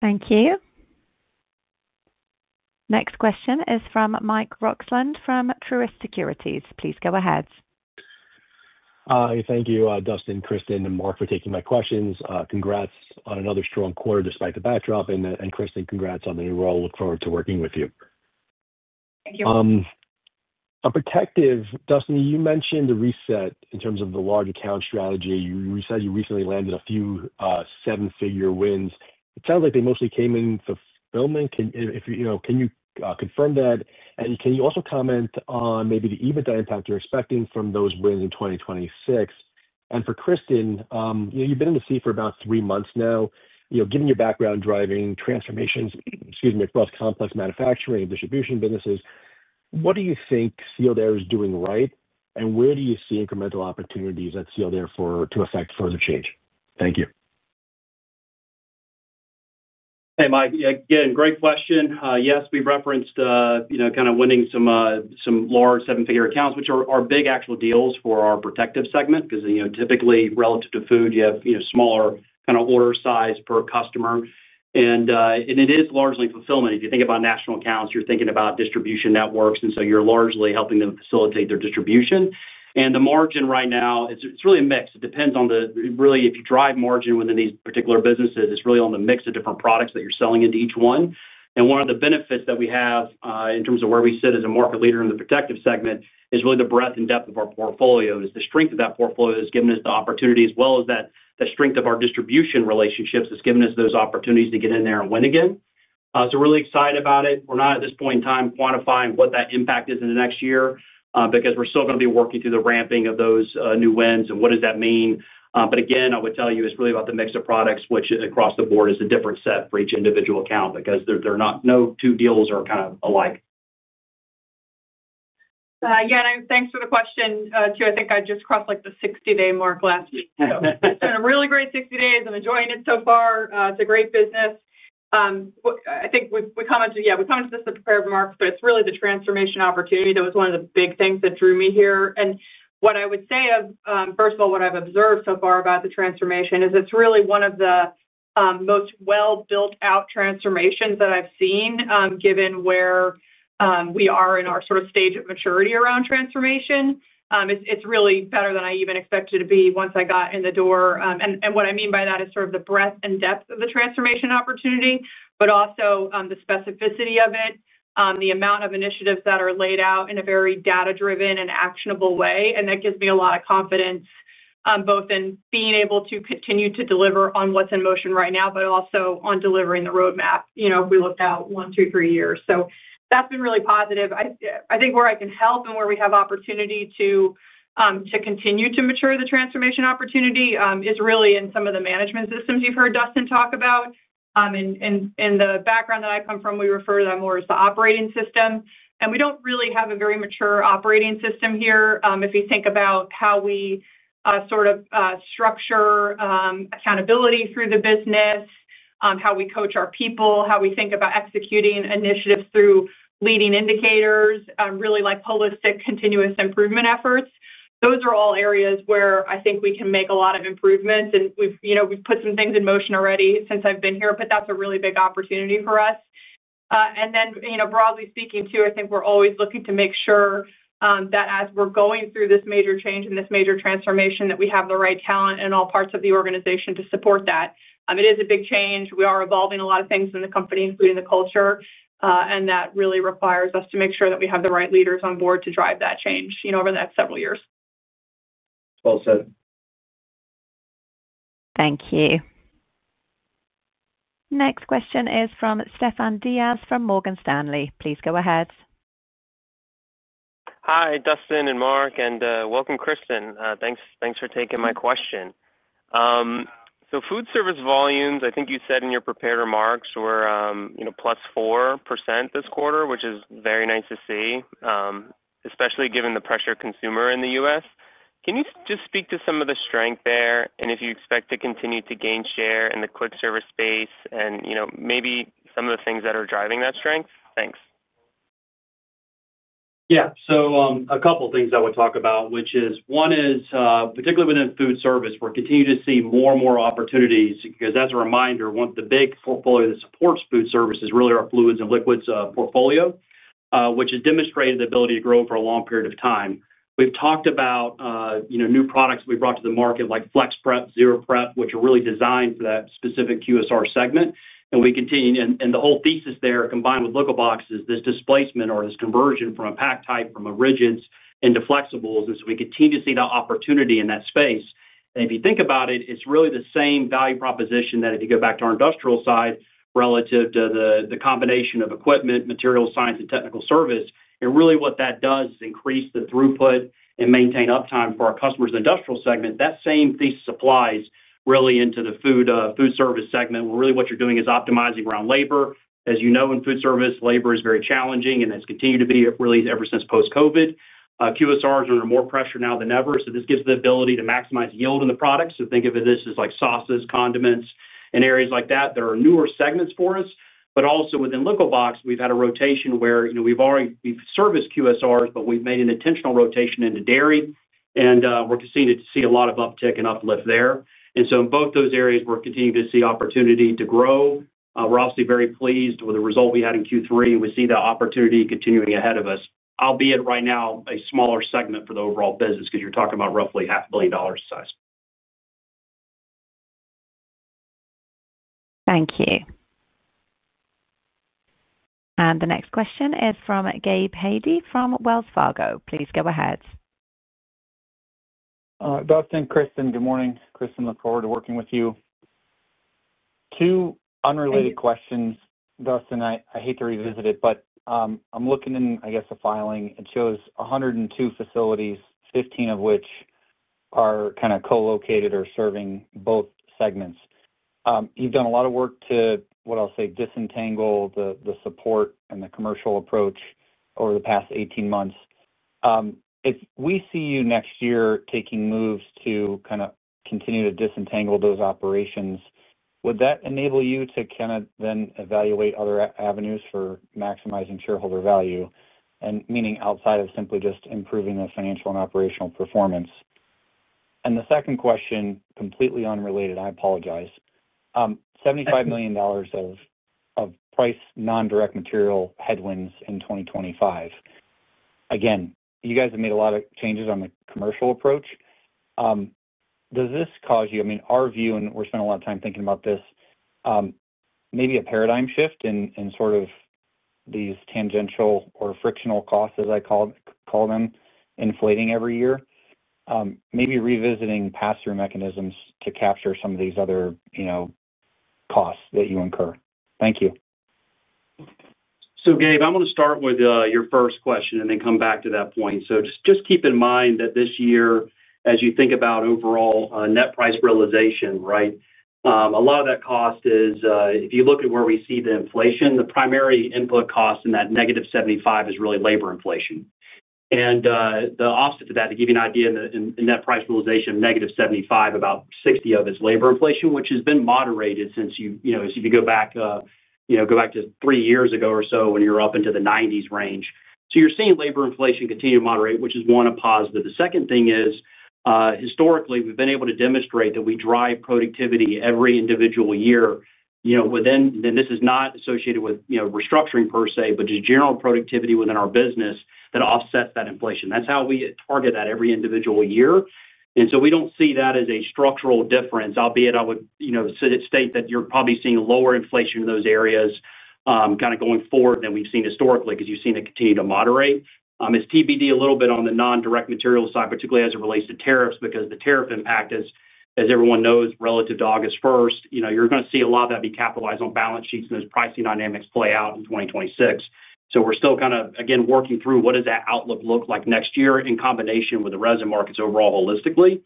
Thank you. Next question is from Mike Roxland from Truist Securities. Please go ahead. Thank you, Dustin, Kristen, and Mark for taking my questions. Congrats on another strong quarter despite the backdrop. Kristen, congrats on the new role. Look forward to working with you. Thank you. On Protective, Dustin, you mentioned the reset in terms of the large account strategy. You said you recently landed a few seven-figure wins. It sounds like they mostly came in fulfillment. Can you confirm that? And can you also comment on maybe the EBITDA impact you're expecting from those wins in 2026? And for Kristen, you've been in the seat for about three months now. Given your background driving transformations, excuse me, across complex manufacturing and distribution businesses, what do you think Sealed Air is doing right, and where do you see incremental opportunities at Sealed Air to affect further change? Thank you. Hey, Mike. Again, great question. Yes, we've referenced kind of winning some large seven-figure accounts, which are big actual deals for our Protective segment because typically, relative to food, you have smaller kind of order size per customer. It is largely fulfillment. If you think about national accounts, you're thinking about distribution networks. You are largely helping them facilitate their distribution. The margin right now, it's really a mix. It depends on the really, if you drive margin within these particular businesses, it's really on the mix of different products that you're selling into each one. One of the benefits that we have in terms of where we sit as a market leader in the Protective segment is really the breadth and depth of our portfolio. The strength of that portfolio has given us the opportunity, as well as that strength of our distribution relationships has given us those opportunities to get in there and win again. We are really excited about it. We're not, at this point in time, quantifying what that impact is in the next year because we're still going to be working through the ramping of those new wins and what does that mean. Again, I would tell you, it's really about the mix of products, which across the board is a different set for each individual account because no two deals are kind of alike. Yeah. Thanks for the question, too. I think I just crossed the 60-day mark last week. So it's been a really great 60 days. I'm enjoying it so far. It's a great business. I think we commented, yeah, we commented this to prepare for Mark, but it's really the transformation opportunity. That was one of the big things that drew me here. What I would say, first of all, what I've observed so far about the transformation is it's really one of the most well-built-out transformations that I've seen, given where we are in our sort of stage of maturity around transformation. It's really better than I even expected it to be once I got in the door. What I mean by that is sort of the breadth and depth of the transformation opportunity, but also the specificity of it, the amount of initiatives that are laid out in a very data-driven and actionable way. That gives me a lot of confidence, both in being able to continue to deliver on what's in motion right now, but also on delivering the roadmap if we look out one, two, three years. That's been really positive. I think where I can help and where we have opportunity to continue to mature the transformation opportunity is really in some of the management systems you've heard Dustin talk about. In the background that I come from, we refer to them more as the operating system. We don't really have a very mature operating system here. If you think about how we sort of structure accountability through the business, how we coach our people, how we think about executing initiatives through leading indicators, really holistic continuous improvement efforts, those are all areas where I think we can make a lot of improvements. We've put some things in motion already since I've been here, but that's a really big opportunity for us. Broadly speaking, too, I think we're always looking to make sure that as we're going through this major change and this major transformation, that we have the right talent in all parts of the organization to support that. It is a big change. We are evolving a lot of things in the company, including the culture. That really requires us to make sure that we have the right leaders on board to drive that change over the next several years. Well said. Thank you. Next question is from Stefan Diaz from Morgan Stanley. Please go ahead. Hi, Dustin and Mark, and welcome, Kristen. Thanks for taking my question. So food service volumes, I think you said in your prepared remarks, were plus 4% this quarter, which is very nice to see. Especially given the pressure consumer in the U.S.. Can you just speak to some of the strength there and if you expect to continue to gain share in the quick service space and maybe some of the things that are driving that strength? Thanks. Yeah. A couple of things I would talk about, which is one is particularly within food service, we're continuing to see more and more opportunities because as a reminder, one of the big portfolios that supports food service is really our fluids and liquids portfolio, which has demonstrated the ability to grow for a long period of time. We've talked about new products we brought to the market like FlexPrep, ZeroPrep, which are really designed for that specific QSR segment. The whole thesis there, combined with Liquibox, is this displacement or this conversion from a pack type from rigids into flexibles. We continue to see that opportunity in that space. If you think about it, it's really the same value proposition that if you go back to our industrial side relative to the combination of equipment, material science, and technical service. Really what that does is increase the throughput and maintain uptime for our customers in the industrial segment. That same thesis applies really into the food service segment, where really what you're doing is optimizing around labor. As you know, in food service, labor is very challenging, and it's continued to be really ever since post-COVID. QSRs are under more pressure now than ever. This gives the ability to maximize yield in the products. Think of it as this is like sauces, condiments, and areas like that. There are newer segments for us. Also within Liquibox, we've had a rotation where we've already serviced QSRs, but we've made an intentional rotation into dairy. We're continuing to see a lot of uptick and uplift there. In both those areas, we're continuing to see opportunity to grow. We're obviously very pleased with the result we had in Q3.We see that opportunity continuing ahead of us, albeit right now a smaller segment for the overall business because you're talking about roughly $0.5 billion in size. Thank you. The next question is from Gabe Hajde from Wells Fargo Securities. Please go ahead. Dustin, Kristen, good morning. Kristen, look forward to working with you. Two unrelated questions. Dustin, I hate to revisit it, but I'm looking in, I guess, a filing. It shows 102 facilities, 15 of which are kind of co-located or serving both segments. You've done a lot of work to, what I'll say, disentangle the support and the commercial approach over the past 18 months. If we see you next year taking moves to kind of continue to disentangle those operations, would that enable you to kind of then evaluate other avenues for maximizing shareholder value, meaning outside of simply just improving the financial and operational performance? The second question, completely unrelated, I apologize. $75 million of price non-direct material headwinds in 2025. Again, you guys have made a lot of changes on the commercial approach. Does this cause you, I mean, our view, and we're spending a lot of time thinking about this, maybe a paradigm shift in sort of these tangential or frictional costs, as I call them, inflating every year. Maybe revisiting pass-through mechanisms to capture some of these other costs that you incur. Thank you. Gabe, I'm going to start with your first question and then come back to that point. Just keep in mind that this year, as you think about overall net price realization, a lot of that cost is, if you look at where we see the inflation, the primary input cost in that negative 75 is really labor inflation. The opposite of that, to give you an idea, in that price realization of negative 75, about 60 of it is labor inflation, which has been moderated since if you go back to three years ago or so when you were up into the 90s range. You are seeing labor inflation continue to moderate, which is one positive. The second thing is, historically, we've been able to demonstrate that we drive productivity every individual year. This is not associated with restructuring per se, but just general productivity within our business that offsets that inflation. That's how we target that every individual year. We do not see that as a structural difference, albeit I would state that you are probably seeing lower inflation in those areas going forward than we've seen historically because you have seen it continue to moderate. It's TBD a little bit on the non-direct material side, particularly as it relates to tariffs because the tariff impact, as everyone knows, relative to August 1, you are going to see a lot of that be capitalized on balance sheets and those pricing dynamics play out in 2026. We are still kind of, again, working through what that outlook looks like next year in combination with the resin markets overall holistically.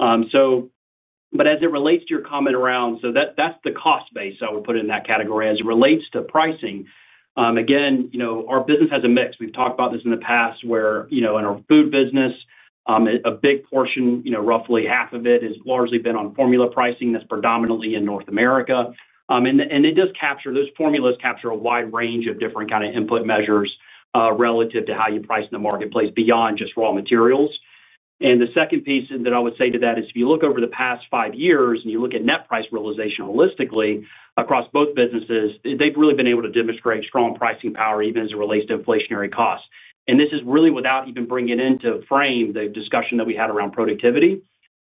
As it relates to your comment around, that's the cost base I would put in that category. As it relates to pricing, again, our business has a mix. We've talked about this in the past where in our food business, a big portion, roughly half of it, has largely been on formula pricing that's predominantly in North America. It does capture, those formulas capture a wide range of different kinds of input measures relative to how you price in the marketplace beyond just raw materials. The second piece that I would say to that is if you look over the past five years and you look at net price realization holistically across both businesses, they've really been able to demonstrate strong pricing power even as it relates to inflationary costs. This is really without even bringing into frame the discussion that we had around productivity.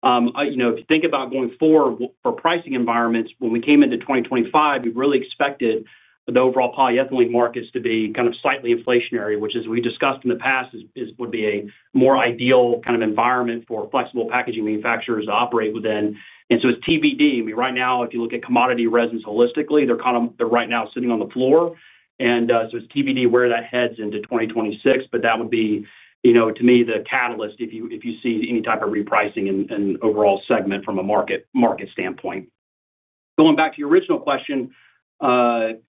If you think about going forward for pricing environments, when we came into 2025, we really expected the overall polyethylene markets to be kind of slightly inflationary, which, as we discussed in the past, would be a more ideal kind of environment for flexible packaging manufacturers to operate within. It's TBD. I mean, right now, if you look at commodity resins holistically, they are kind of right now sitting on the floor. It's TBD where that heads into 2026, but that would be, to me, the catalyst if you see any type of repricing in overall segment from a market standpoint. Going back to your original question around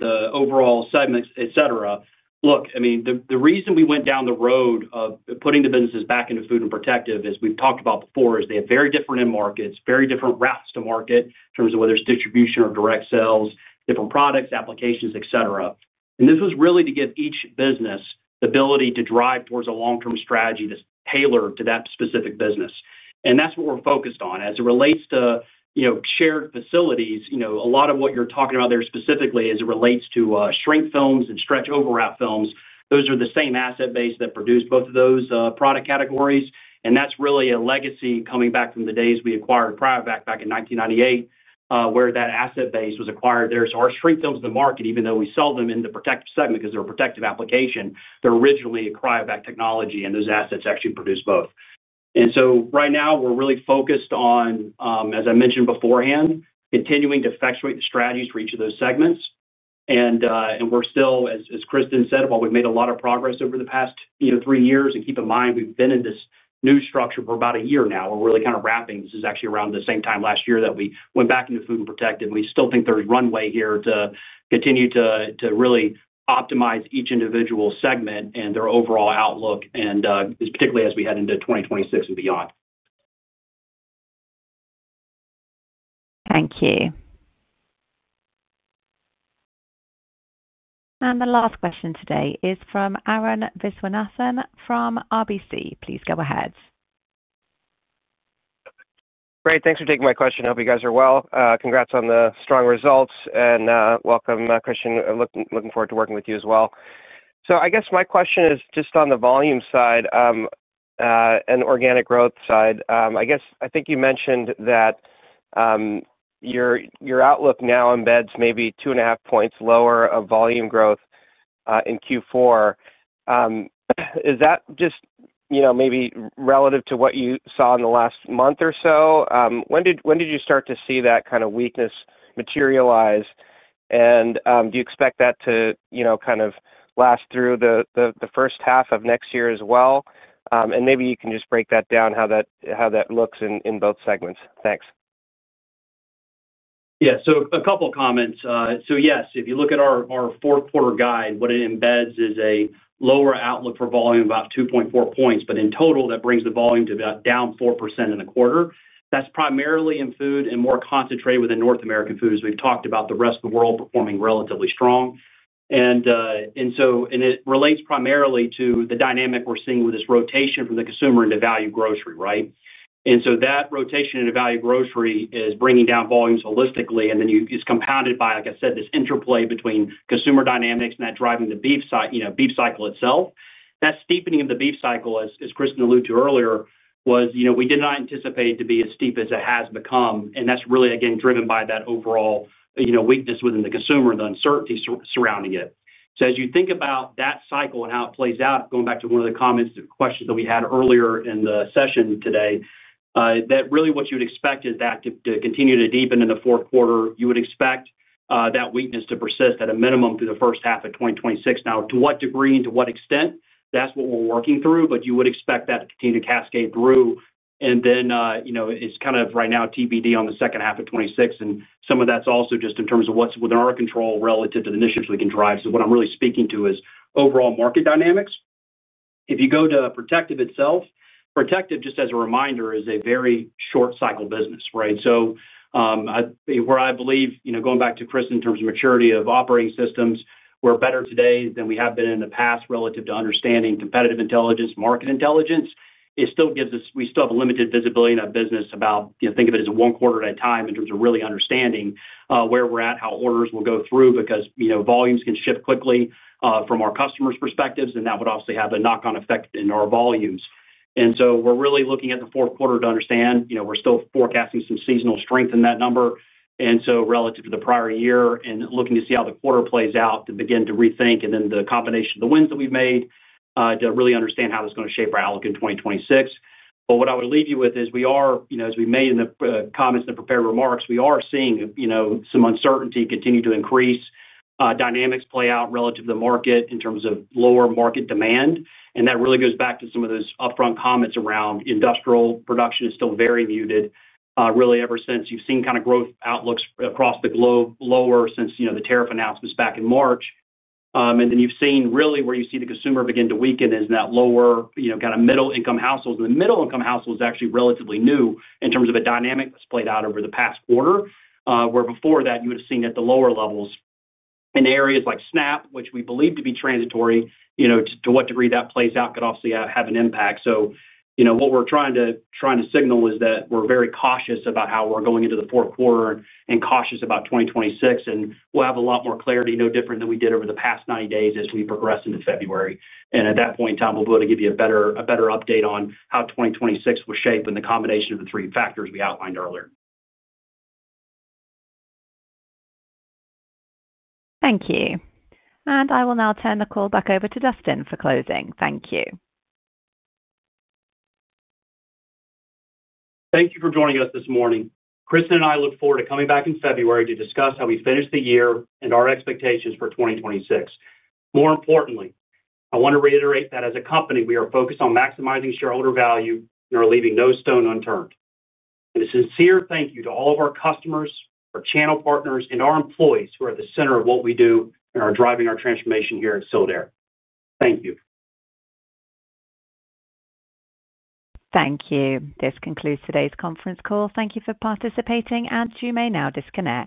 the overall segments, et cetera., look, I mean, the reason we went down the road of putting the businesses back into Food and Protective, as we've talked about before, is they have very different end markets, very different routes to market in terms of whether it's distribution or direct sales, different products, applications, etc. This was really to give each business the ability to drive towards a long-term strategy that's tailored to that specific business. That's what we're focused on. As it relates to shared facilities, a lot of what you're talking about there specifically as it relates to shrink films and stretch overwrap films, those are the same asset base that produced both of those product categories. That's really a legacy coming back from the days we acquired CRYOVAC back in 1998, where that asset base was acquired. Our shrink films in the market, even though we sell them in the Protective segment because they're a protective application, they're originally a CRYOVAC technology, and those assets actually produce both. Right now, we're really focused on, as I mentioned beforehand, continuing to effectuate the strategies for each of those segments. We're still, as Kristen said, while we've made a lot of progress over the past three years, and keep in mind, we've been in this new structure for about a year now. We're really kind of wrapping. This is actually around the same time last year that we went back into Food and Protective. We still think there's runway here to continue to really optimize each individual segment and their overall outlook, and particularly as we head into 2026 and beyond. Thank you. The last question today is from Aaron Viswanathan from RBC. Please go ahead. Great. Thanks for taking my question. I hope you guys are well. Congrats on the strong results. And welcome, Kristen. Looking forward to working with you as well. I guess my question is just on the volume side and organic growth side. I guess I think you mentioned that your outlook now embeds maybe 2.5 points lower of volume growth in Q4. Is that just maybe relative to what you saw in the last month or so? When did you start to see that kind of weakness materialize? Do you expect that to kind of last through the first half of next year as well? Maybe you can just break that down, how that looks in both segments. Thanks. Yeah. So a couple of comments. Yes, if you look at our fourth-quarter guide, what it embeds is a lower outlook for volume of about 2.4 points, but in total, that brings the volume to about down 4% in the quarter. That's primarily in food and more concentrated within North American foods. We've talked about the rest of the world performing relatively strong. It relates primarily to the dynamic we're seeing with this rotation from the consumer into value grocery, right? That rotation into value grocery is bringing down volumes holistically, and then it's compounded by, like I said, this interplay between consumer dynamics and that driving the beef cycle itself. That steepening of the beef cycle, as Kristen alluded to earlier, was we did not anticipate it to be as steep as it has become. That's really, again, driven by that overall weakness within the consumer and the uncertainty surrounding it. As you think about that cycle and how it plays out, going back to one of the comments and questions that we had earlier in the session today, really what you would expect is that to continue to deepen in the fourth quarter, you would expect that weakness to persist at a minimum through the first half of 2026. Now, to what degree and to what extent, that's what we're working through, but you would expect that to continue to cascade through. It's kind of right now TBD on the second half of 2026. Some of that's also just in terms of what's within our control relative to the initiatives we can drive. What I'm really speaking to is overall market dynamics. If you go to Protective itself, Protective, just as a reminder, is a very short-cycle business, right? Where I believe, going back to Kristen in terms of maturity of operating systems, we're better today than we have been in the past relative to understanding competitive intelligence, market intelligence. It still gives us, we still have limited visibility in our business about, think of it as a one-quarter at a time in terms of really understanding where we're at, how orders will go through because volumes can shift quickly from our customers' perspectives, and that would obviously have a knock-on effect in our volumes. We're really looking at the fourth quarter to understand. We're still forecasting some seasonal strength in that number. Relative to the prior year and looking to see how the quarter plays out to begin to rethink and then the combination of the wins that we've made to really understand how it's going to shape our outlook in 2026. What I would leave you with is we are, as we made in the comments and the prepared remarks, we are seeing some uncertainty continue to increase, dynamics play out relative to the market in terms of lower market demand. That really goes back to some of those upfront comments around industrial production is still very muted. Really, ever since you've seen kind of growth outlooks across the globe lower since the tariff announcements back in March. You have seen really where you see the consumer begin to weaken is in that lower kind of middle-income households. The middle-income household is actually relatively new in terms of a dynamic that's played out over the past quarter, where before that, you would have seen it at the lower levels. In areas like SNAP, which we believe to be transitory, to what degree that plays out could obviously have an impact. What we're trying to signal is that we're very cautious about how we're going into the fourth quarter and cautious about 2026. We'll have a lot more clarity, no different than we did over the past 90 days as we progress into February. At that point in time, we'll be able to give you a better update on how 2026 will shape in the combination of the three factors we outlined earlier. Thank you. I will now turn the call back over to Dustin for closing. Thank you. Thank you for joining us this morning. Kristen and I look forward to coming back in February to discuss how we finished the year and our expectations for 2026. More importantly, I want to reiterate that as a company, we are focused on maximizing shareholder value and are leaving no stone unturned. A sincere thank you to all of our customers, our channel partners, and our employees who are at the center of what we do and are driving our transformation here at Sealed Air. Thank you. Thank you. This concludes today's conference call. Thank you for participating, and you may now disconnect.